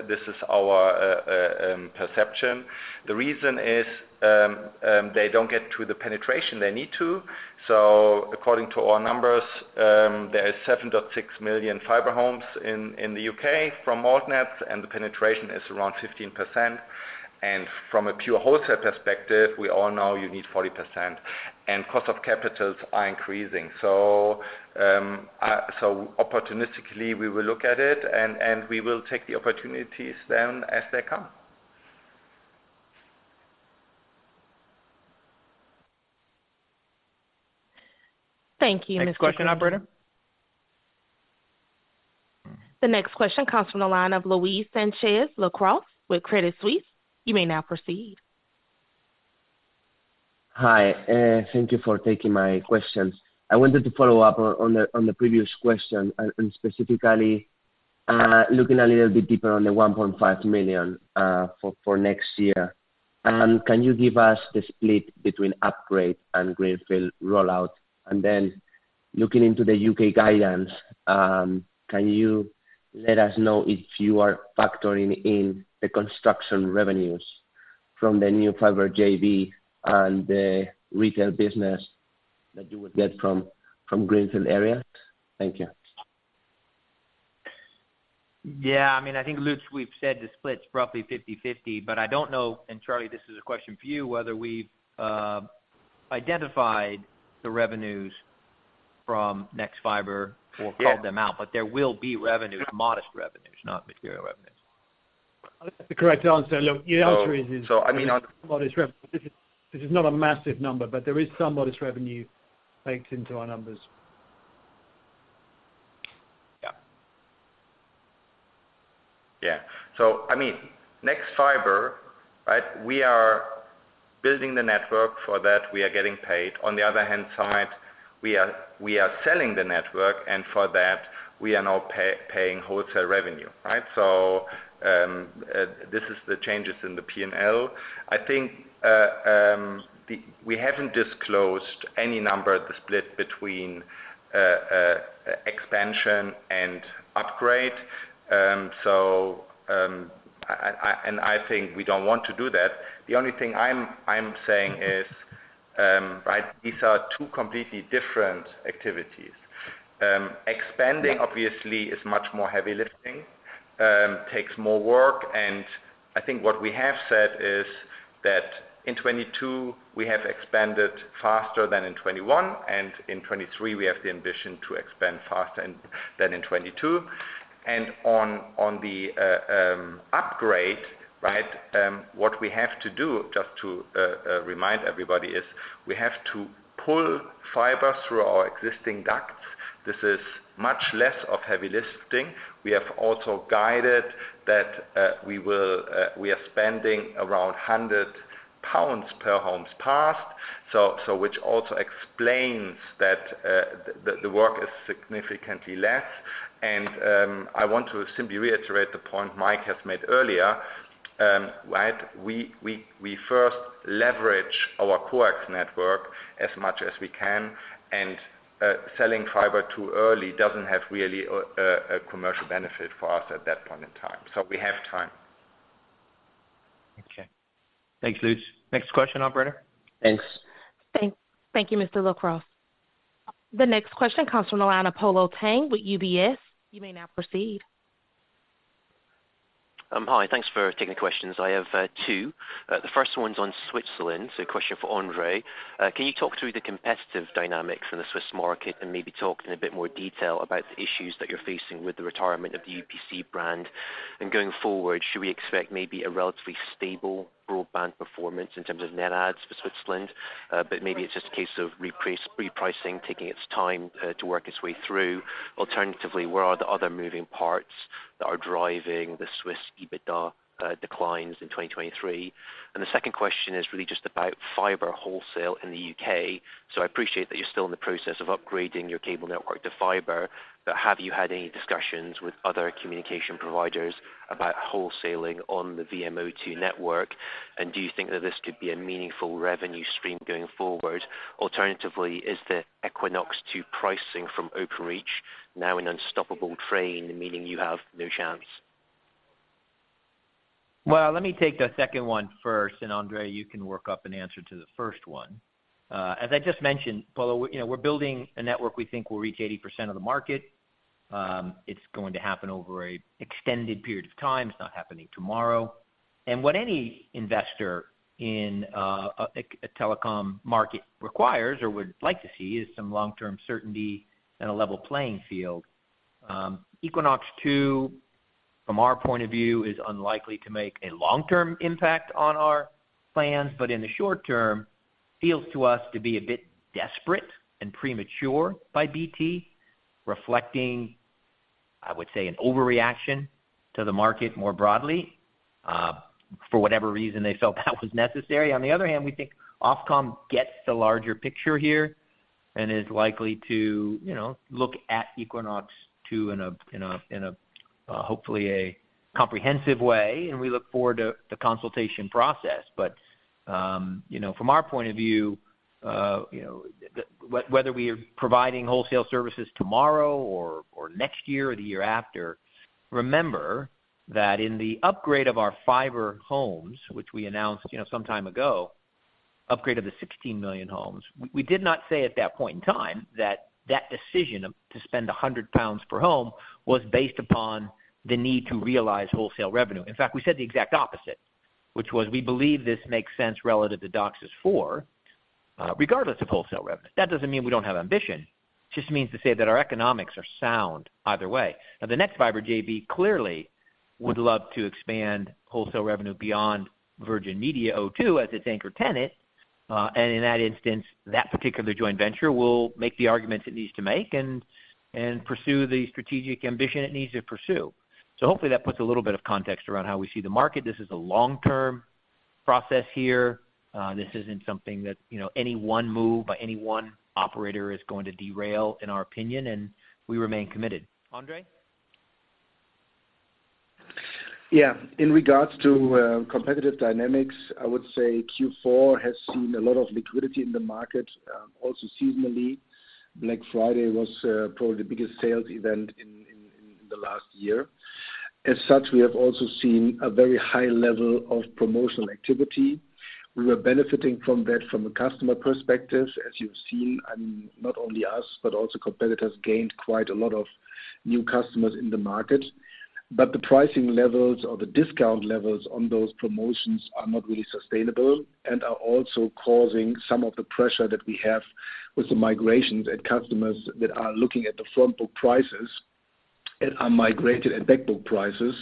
This is our perception. The reason is, they don't get to the penetration they need to. According to our numbers, there is 7.6 million fiber homes in the U.K. from altnets, and the penetration is around 15%. From a pure wholesale perspective, we all know you need 40%, and cost of capitals are increasing. Opportunistically, we will look at it and we will take the opportunities then as they come. Thank you, Mr. Grindle. Next question, operator. The next question comes from the line of Luis Sanchez-Lecaroz with Credit Suisse. You may now proceed. Hi. Thank you for taking my questions. I wanted to follow up on the previous question and specifically looking a little bit deeper on the $1.5 million for next year. Can you give us the split between upgrade and greenfield rollout? Looking into the U.K. guidance, can you let us know if you are factoring in the construction revenues from the new fiber JV and the retail business that you would get from greenfield area? Thank you. Yeah. I mean, I think, Lutz, we've said the split's roughly 50/50, but I don't know, and Charlie, this is a question for you, whether we've identified the revenues from nexfibre we'll call them out, but there will be revenue, modest revenues, not material revenues. I think that's the correct answer. Look, the answer is- I mean on- This is not a massive number, but there is some modest revenue baked into our numbers. Yeah. Yeah. I mean, nexfibre, right, we are building the network. For that, we are getting paid. On the other hand side, we are selling the network, for that we are now paying wholesale revenue, right? This is the changes in the P&L. I think we haven't disclosed any number of the split between expansion and upgrade. I think we don't want to do that. The only thing I'm saying is, right, these are two completely different activities. Expanding obviously is much more heavy lifting, takes more work. I think what we have said is that in 2022, we have expanded faster than in 2021, and in 2023, we have the ambition to expand faster than in 2022. On the upgrade, right, what we have to do, just to remind everybody, is we have to pull fiber through our existing ducts. This is much less of heavy lifting. We have also guided that we are spending around 100 pounds per homes passed, so which also explains that the work is significantly less. I want to simply reiterate the point Mike has made earlier, right. We first leverage our coax network as much as we can, and selling fiber too early doesn't have really a commercial benefit for us at that point in time. We have time. Okay. Thanks, Lutz. Next question, operator. Thanks. Thank you, Mr. Lecaroz. The next question comes from the line of Polo Tang with UBS. You may now proceed. Hi. Thanks for taking the questions. I have two. The first one's on Switzerland, a question for Andre. Can you talk through the competitive dynamics in the Swiss market and maybe talk in a bit more detail about the issues that you're facing with the retirement of the UPC brand? Going forward, should we expect maybe a relatively stable broadband performance in terms of net adds for Switzerland? Maybe it's just a case of repricing, taking its time to work its way through. Alternatively, where are the other moving parts that are driving the Swiss EBITDA declines in 2023? The second question is really just about fiber wholesale in the U.K.. I appreciate that you're still in the process of upgrading your cable network to fiber, but have you had any discussions with other communication providers about wholesaling on the VMO2 network? Do you think that this could be a meaningful revenue stream going forward? Alternatively, is the Equinox 2 pricing from Openreach now an unstoppable train, meaning you have no chance? Well, let me take the second one first, and Andre, you can work up an answer to the first one. As I just mentioned, Polo, you know, we're building a network we think will reach 80% of the market. It's going to happen over a extended period of time. It's not happening tomorrow. What any investor in a telecom market requires or would like to see is some long-term certainty and a level playing field. Equinox 2, from our point of view, is unlikely to make a long-term impact on our plans, but in the short term, feels to us to be a bit desperate and premature by BT, reflecting, I would say, an overreaction to the market more broadly, for whatever reason they felt that was necessary. On the other hand, we think Ofcom gets the larger picture here and is likely to, you know, look at Equinox 2 in a hopefully comprehensive way, and we look forward to the consultation process. You know, from our point of view, you know, whether we are providing wholesale services tomorrow or next year or the year after, remember that in the upgrade of our fiber homes, which we announced, you know, some time ago, upgrade of the 16 million homes. We did not say at that point in time that that decision to spend 100 pounds per home was based upon the need to realize wholesale revenue. In fact, we said the exact opposite, which was we believe this makes sense relative to DOCSIS 4 regardless of wholesale revenue. That doesn't mean we don't have ambition. It just means to say that our economics are sound either way. The nexfibre JV clearly would love to expand wholesale revenue beyond Virgin Media O2 as its anchor tenant. In that instance, that particular joint venture will make the arguments it needs to make and pursue the strategic ambition it needs to pursue. Hopefully that puts a little bit of context around how we see the market. This is a long-term process here. This isn't something that, you know, any one move by any one operator is going to derail, in our opinion, and we remain committed. Andre? Yeah. In regards to competitive dynamics, I would say Q4 has seen a lot of liquidity in the market. Also seasonally, Black Friday was probably the biggest sales event in the last year. As such, we have also seen a very high level of promotional activity. We were benefiting from that from a customer perspective, as you've seen, and not only us, but also competitors gained quite a lot of new customers in the market. The pricing levels or the discount levels on those promotions are not really sustainable and are also causing some of the pressure that we have with the migrations and customers that are looking at the front book prices Are migrated at back book prices.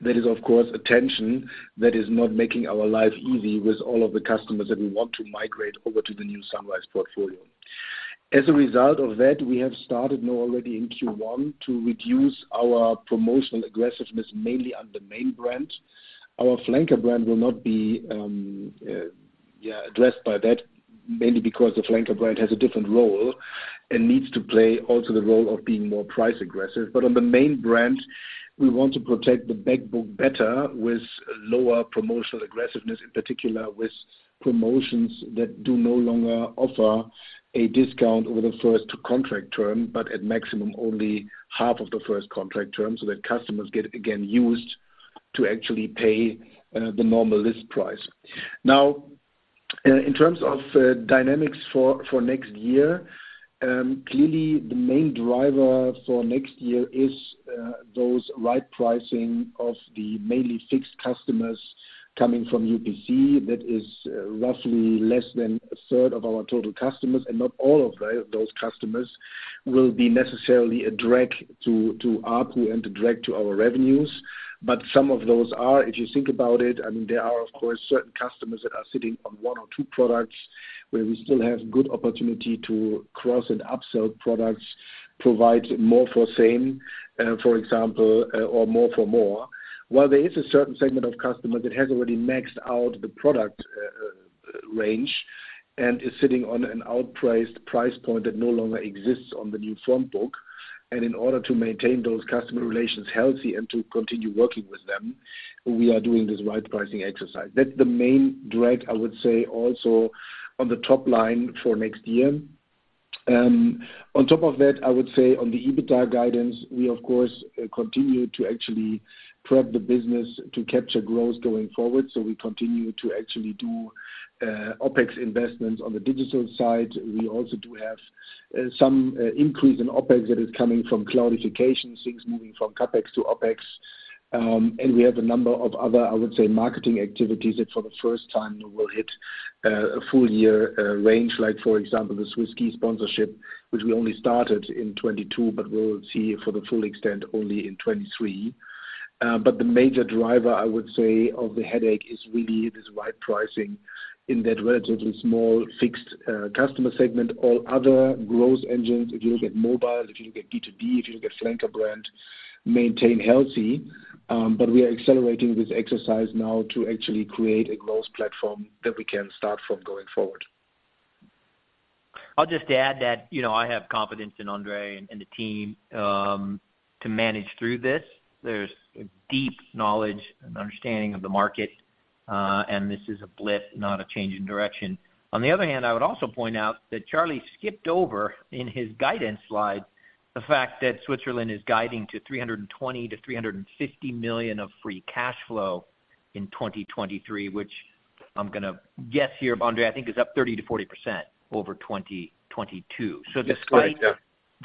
That is of course, a tension that is not making our life easy with all of the customers that we want to migrate over to the new Sunrise portfolio. As a result of that, we have started now already in Q1 to reduce our promotional aggressiveness mainly on the main brand. Our Flanker brand will not be, yeah, addressed by that, mainly because the Flanker brand has a different role and needs to play also the role of being more price aggressive. On the main brand, we want to protect the back book better with lower promotional aggressiveness, in particular with promotions that do no longer offer a discount over the first contract term, but at maximum only half of the first contract term, so that customers get again used to actually pay the normal list price. In terms of dynamics for next year, clearly, the main driver for next year is those right pricing of the mainly fixed customers coming from UPC. That is roughly less than a third of our total customers, and not all of those customers will be necessarily a drag to ARPU and a drag to our revenues. Some of those are. If you think about it, I mean, there are of course, certain customers that are sitting on one or two products where we still have good opportunity to cross and upsell products, provide more for same, for example, or more for more. While there is a certain segment of customers that has already maxed out the product range and is sitting on an outpriced price point that no longer exists on the new front book. In order to maintain those customer relations healthy and to continue working with them, we are doing this right pricing exercise. That's the main drag, I would say, also on the top line for next year. On top of that, I would say on the EBITDA guidance, we of course continue to actually prep the business to capture growth going forward. We continue to actually do OpEx investments on the digital side. We also do have some increase in OpEx that is coming from cloudification, things moving from CapEx to OpEx. We have a number of other, I would say, marketing activities that for the first time will hit a full year range. Like for example, the Swiss-Ski sponsorship, which we only started in 2022, but we'll see for the full extent only in 2023. The major driver, I would say, of the headache is really this right pricing in that relatively small fixed customer segment. All other growth engines, if you look at mobile, if you look at B2B, if you look at flanker brand, maintain healthy. We are accelerating this exercise now to actually create a growth platform that we can start from going forward. I'll just add that, you know, I have confidence in Andre and the team to manage through this. There's a deep knowledge and understanding of the market, and this is a blip, not a change in direction. On the other hand, I would also point out that Charlie skipped over in his guidance slide, the fact that Switzerland is guiding to 320 million-350 million of free cash flow in 2023, which I'm gonna guess here, Andre, I think is up 30%-40% over 2022. That's correct, yeah.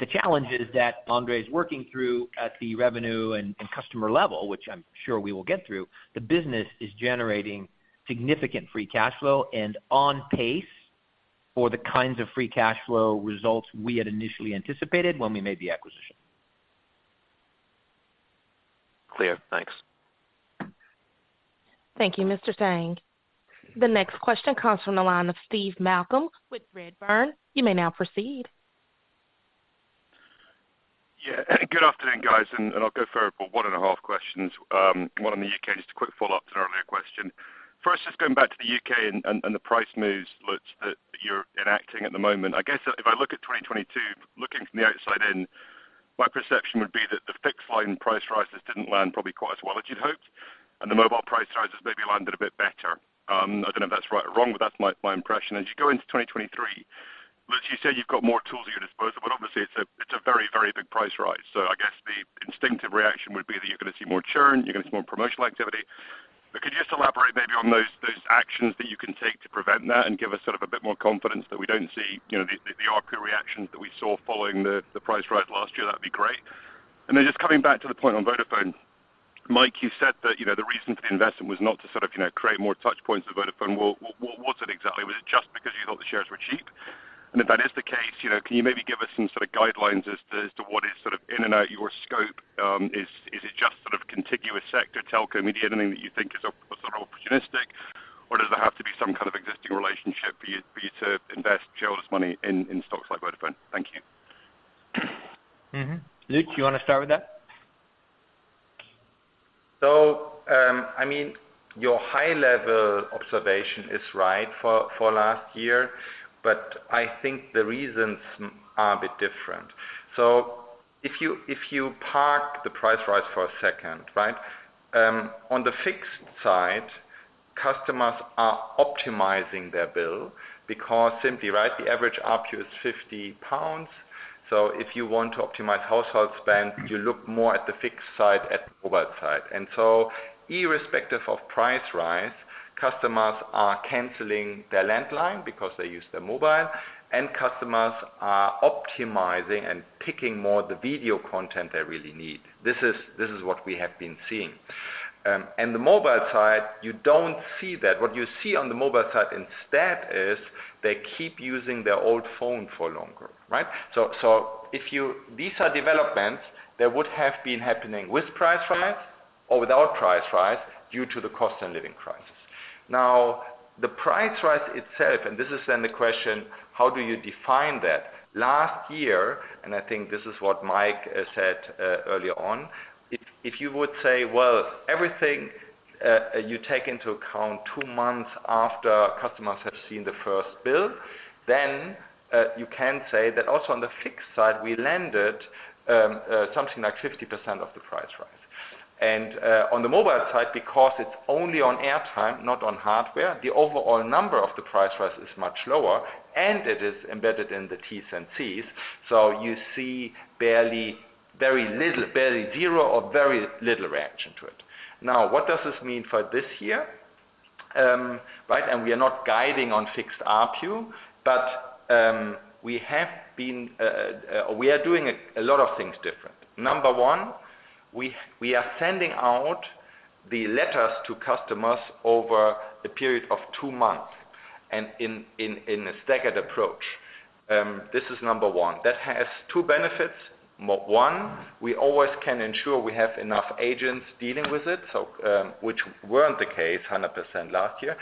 Despite the challenges that Andre is working through at the revenue and customer level, which I'm sure we will get through, the business is generating significant free cash flow and on pace for the kinds of free cash flow results we had initially anticipated when we made the acquisition. Clear. Thanks. Thank you, Mr. Tang. The next question comes from the line of Stephen Malcolm with Redburn. You may now proceed. Yeah. Good afternoon, guys. I'll go for about 1.5 questions. One on the U.K., just a quick follow-up to an earlier question. First, just going back to the U.K. and the price moves, Lutz, that you're enacting at the moment. I guess if I look at 2022, looking from the outside in, my perception would be that the fixed-line price rises didn't land probably quite as well as you'd hoped, and the mobile price rises maybe landed a bit better. I don't know if that's right or wrong, but that's my impression. As you go into 2023, Lutz, you say you've got more tools at your disposal, but obviously it's a very, very big price rise. I guess the instinctive reaction would be that you're gonna see more churn, you're gonna see more promotional activity. Could you just elaborate maybe on those actions that you can take to prevent that and give us sort of a bit more confidence that we don't see, you know, the ARPU reactions that we saw following the price rise last year? That'd be great. Just coming back to the point on Vodafone. Mike, you said that, you know, the reason for the investment was not to sort of, you know, create more touch points with Vodafone. What was it exactly? Was it just because you thought the shares were cheap? If that is the case, you know, can you maybe give us some sort of guidelines as to what is sort of in and out your scope? Is it just sort of contiguous sector, telco, media, anything that you think is opportunistic, or does there have to be some kind of existing relationship for you to invest shareholders money in stocks like Vodafone? Thank you. Mm-hmm. Lutz, you wanna start with that? I mean, your high level observation is right for last year, but I think the reasons are a bit different. If you park the price rise for a second, right? On the fixed side, customers are optimizing their bill because simply, right, the average ARPU is 50 pounds. If you want to optimize household spend, you look more at the fixed side, at the mobile side. Irrespective of price rise, customers are canceling their landline because they use their mobile, and customers are optimizing and picking more the video content they really need. This is what we have been seeing. The mobile side, you don't see that. What you see on the mobile side instead is they keep using their old phone for longer, right? If you these are developments that would have been happening with price rise or without price rise due to the cost and living crisis. The price rise itself, and this is then the question, how do you define that? Last year, I think this is what Mike said earlier on, if you would say, well, everything you take into account two months after customers have seen the first bill, you can say that also on the fixed side, we landed something like 50% of the price rise. On the mobile side, because it's only on airtime, not on hardware, the overall number of the price rise is much lower, and it is embedded in the T's and C's. You see barely zero or very little reaction to it. What does this mean for this year? We are not guiding on fixed ARPU, we have been, we are doing a lot of things different. Number one, we are sending out the letters to customers over a period of 2 months and in a staggered approach. This is number one. That has 2 benefits. One, we always can ensure we have enough agents dealing with it, which weren't the case 100% last year.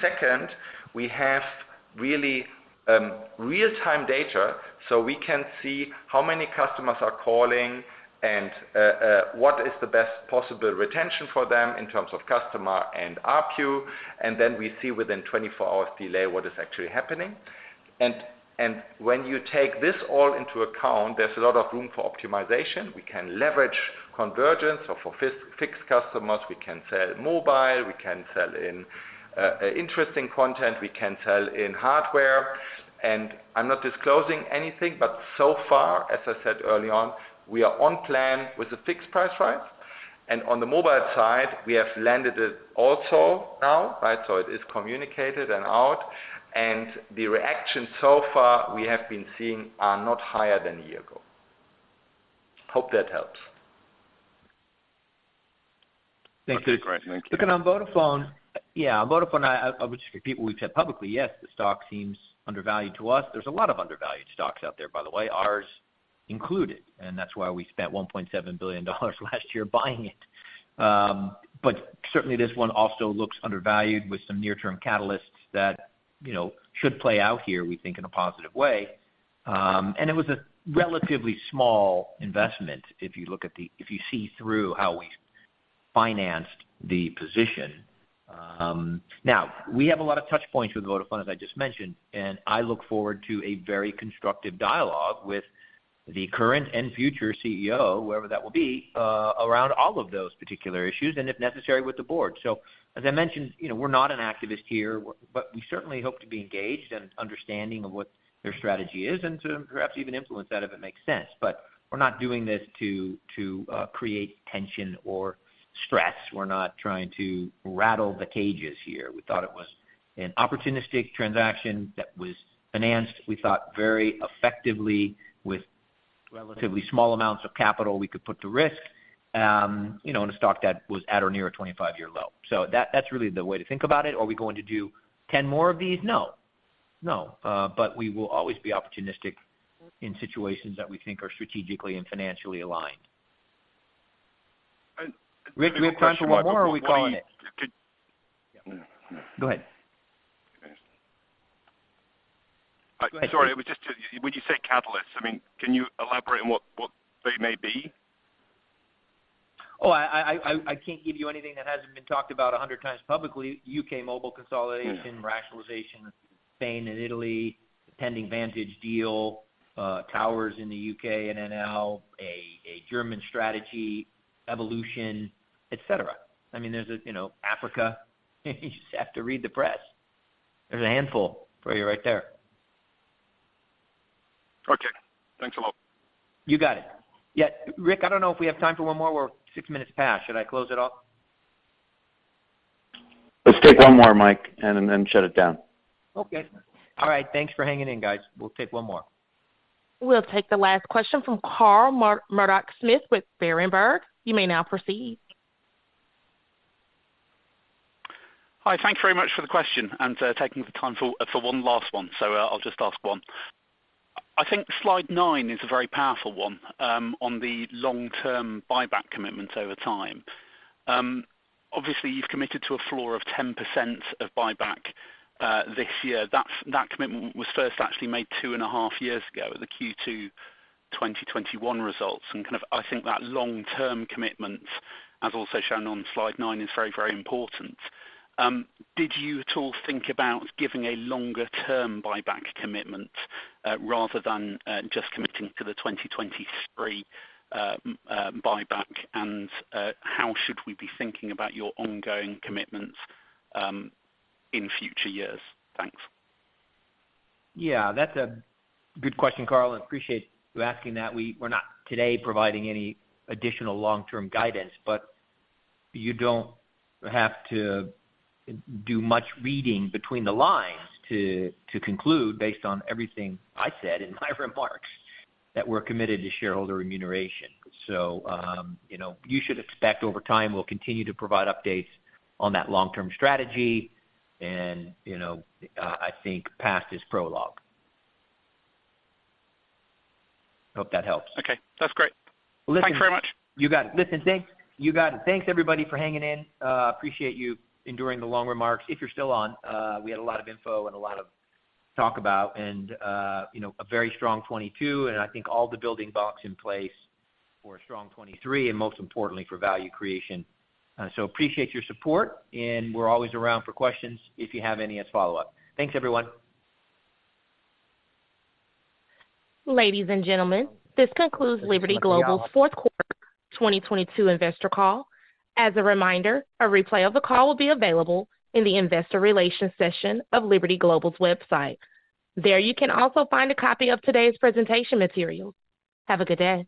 Second, we have really real-time data, so we can see how many customers are calling and what is the best possible retention for them in terms of customer and ARPU. Then we see within 24 hours delay what is actually happening. When you take this all into account, there's a lot of room for optimization. We can leverage convergence. For fixed-fixed customers, we can sell mobile, we can sell in interesting content, we can sell in hardware. I'm not disclosing anything, but so far, as I said early on, we are on plan with the fixed price rise. On the mobile side, we have landed it also now, right? It is communicated and out, and the reactions so far we have been seeing are not higher than a year ago. Hope that helps. Thanks. That's great. Thank you. On Vodafone, which people we've said publicly, yes, the stock seems undervalued to us. There's a lot of undervalued stocks out there, by the way, ours included, that's why we spent $1.7 billion last year buying it. Certainly, this one also looks undervalued with some near-term catalysts that, you know, should play out here, we think, in a positive way. It was a relatively small investment if you see through how we financed the position. We have a lot of touch points with Vodafone, as I just mentioned, and I look forward to a very constructive dialogue with the current and future CEO, whoever that will be, around all of those particular issues, and if necessary, with the board. As I mentioned, you know, we're not an activist here, but we certainly hope to be engaged and understanding of what their strategy is and to perhaps even influence that if it makes sense. We're not doing this to create tension or stress. We're not trying to rattle the cages here. We thought it was an opportunistic transaction that was financed, we thought very effectively with relatively small amounts of capital we could put to risk, you know, in a stock that was at or near a 25-year low. That's really the way to think about it. Are we going to do 10 more of these? No. We will always be opportunistic in situations that we think are strategically and financially aligned. I- Rick, do we have time for one more, or are we calling it? Could- Go ahead. Sorry. It was just, when you say catalysts, I mean, can you elaborate on what they may be? Oh, I can't give you anything that hasn't been talked about 100 times publicly. U.K. mobile consolidation, rationalization, Spain and Italy, pending Vantage deal, towers in the U.K. and NL, a German strategy, evolution, et cetera. I mean, there's a, you know, Africa. You just have to read the press. There's a handful for you right there. Okay. Thanks a lot. You got it. Yeah. Rick, I don't know if we have time for one more. We're six minutes past. Should I close it off? Let's take one more, Mike, and then shut it down. Okay. All right. Thanks for hanging in, guys. We'll take one more. We'll take the last question from Carl Murdock-Smith with Berenberg. You may now proceed. Hi. Thank you very much for the question and for taking the time for one last one. I'll just ask one. I think slide nine is a very powerful one on the long-term buyback commitments over time. Obviously, you've committed to a floor of 10% of buyback this year. That commitment was first actually made 2.5 years ago at the Q2 2021 results. Kind of, I think that long-term commitment, as also shown on slide nine, is very, very important. Did you at all think about giving a longer-term buyback commitment, rather than just committing to the 2023 buyback? How should we be thinking about your ongoing commitments in future years? Thanks. That's a good question, Carl. Appreciate you asking that. We're not today providing any additional long-term guidance, but you don't have to do much reading between the lines to conclude based on everything I said in my remarks that we're committed to shareholder remuneration. You know, you should expect over time we'll continue to provide updates on that long-term strategy and, you know, I think past is prologue. Hope that helps. Okay. That's great. Listen. Thanks very much. You got it. Listen, thanks. You got it. Thanks, everybody, for hanging in. Appreciate you enduring the long remarks, if you're still on. We had a lot of info and a lot of talk about, you know, a very strong 2022. I think all the building blocks in place for a strong 2023 and most importantly for value creation. Appreciate your support, and we're always around for questions if you have any as follow-up. Thanks, everyone. Ladies and gentlemen, this concludes Liberty Global's fourth quarter 2022 investor call. As a reminder, a replay of the call will be available in the investor relations session of Liberty Global's website. There, you can also find a copy of today's presentation material. Have a good day.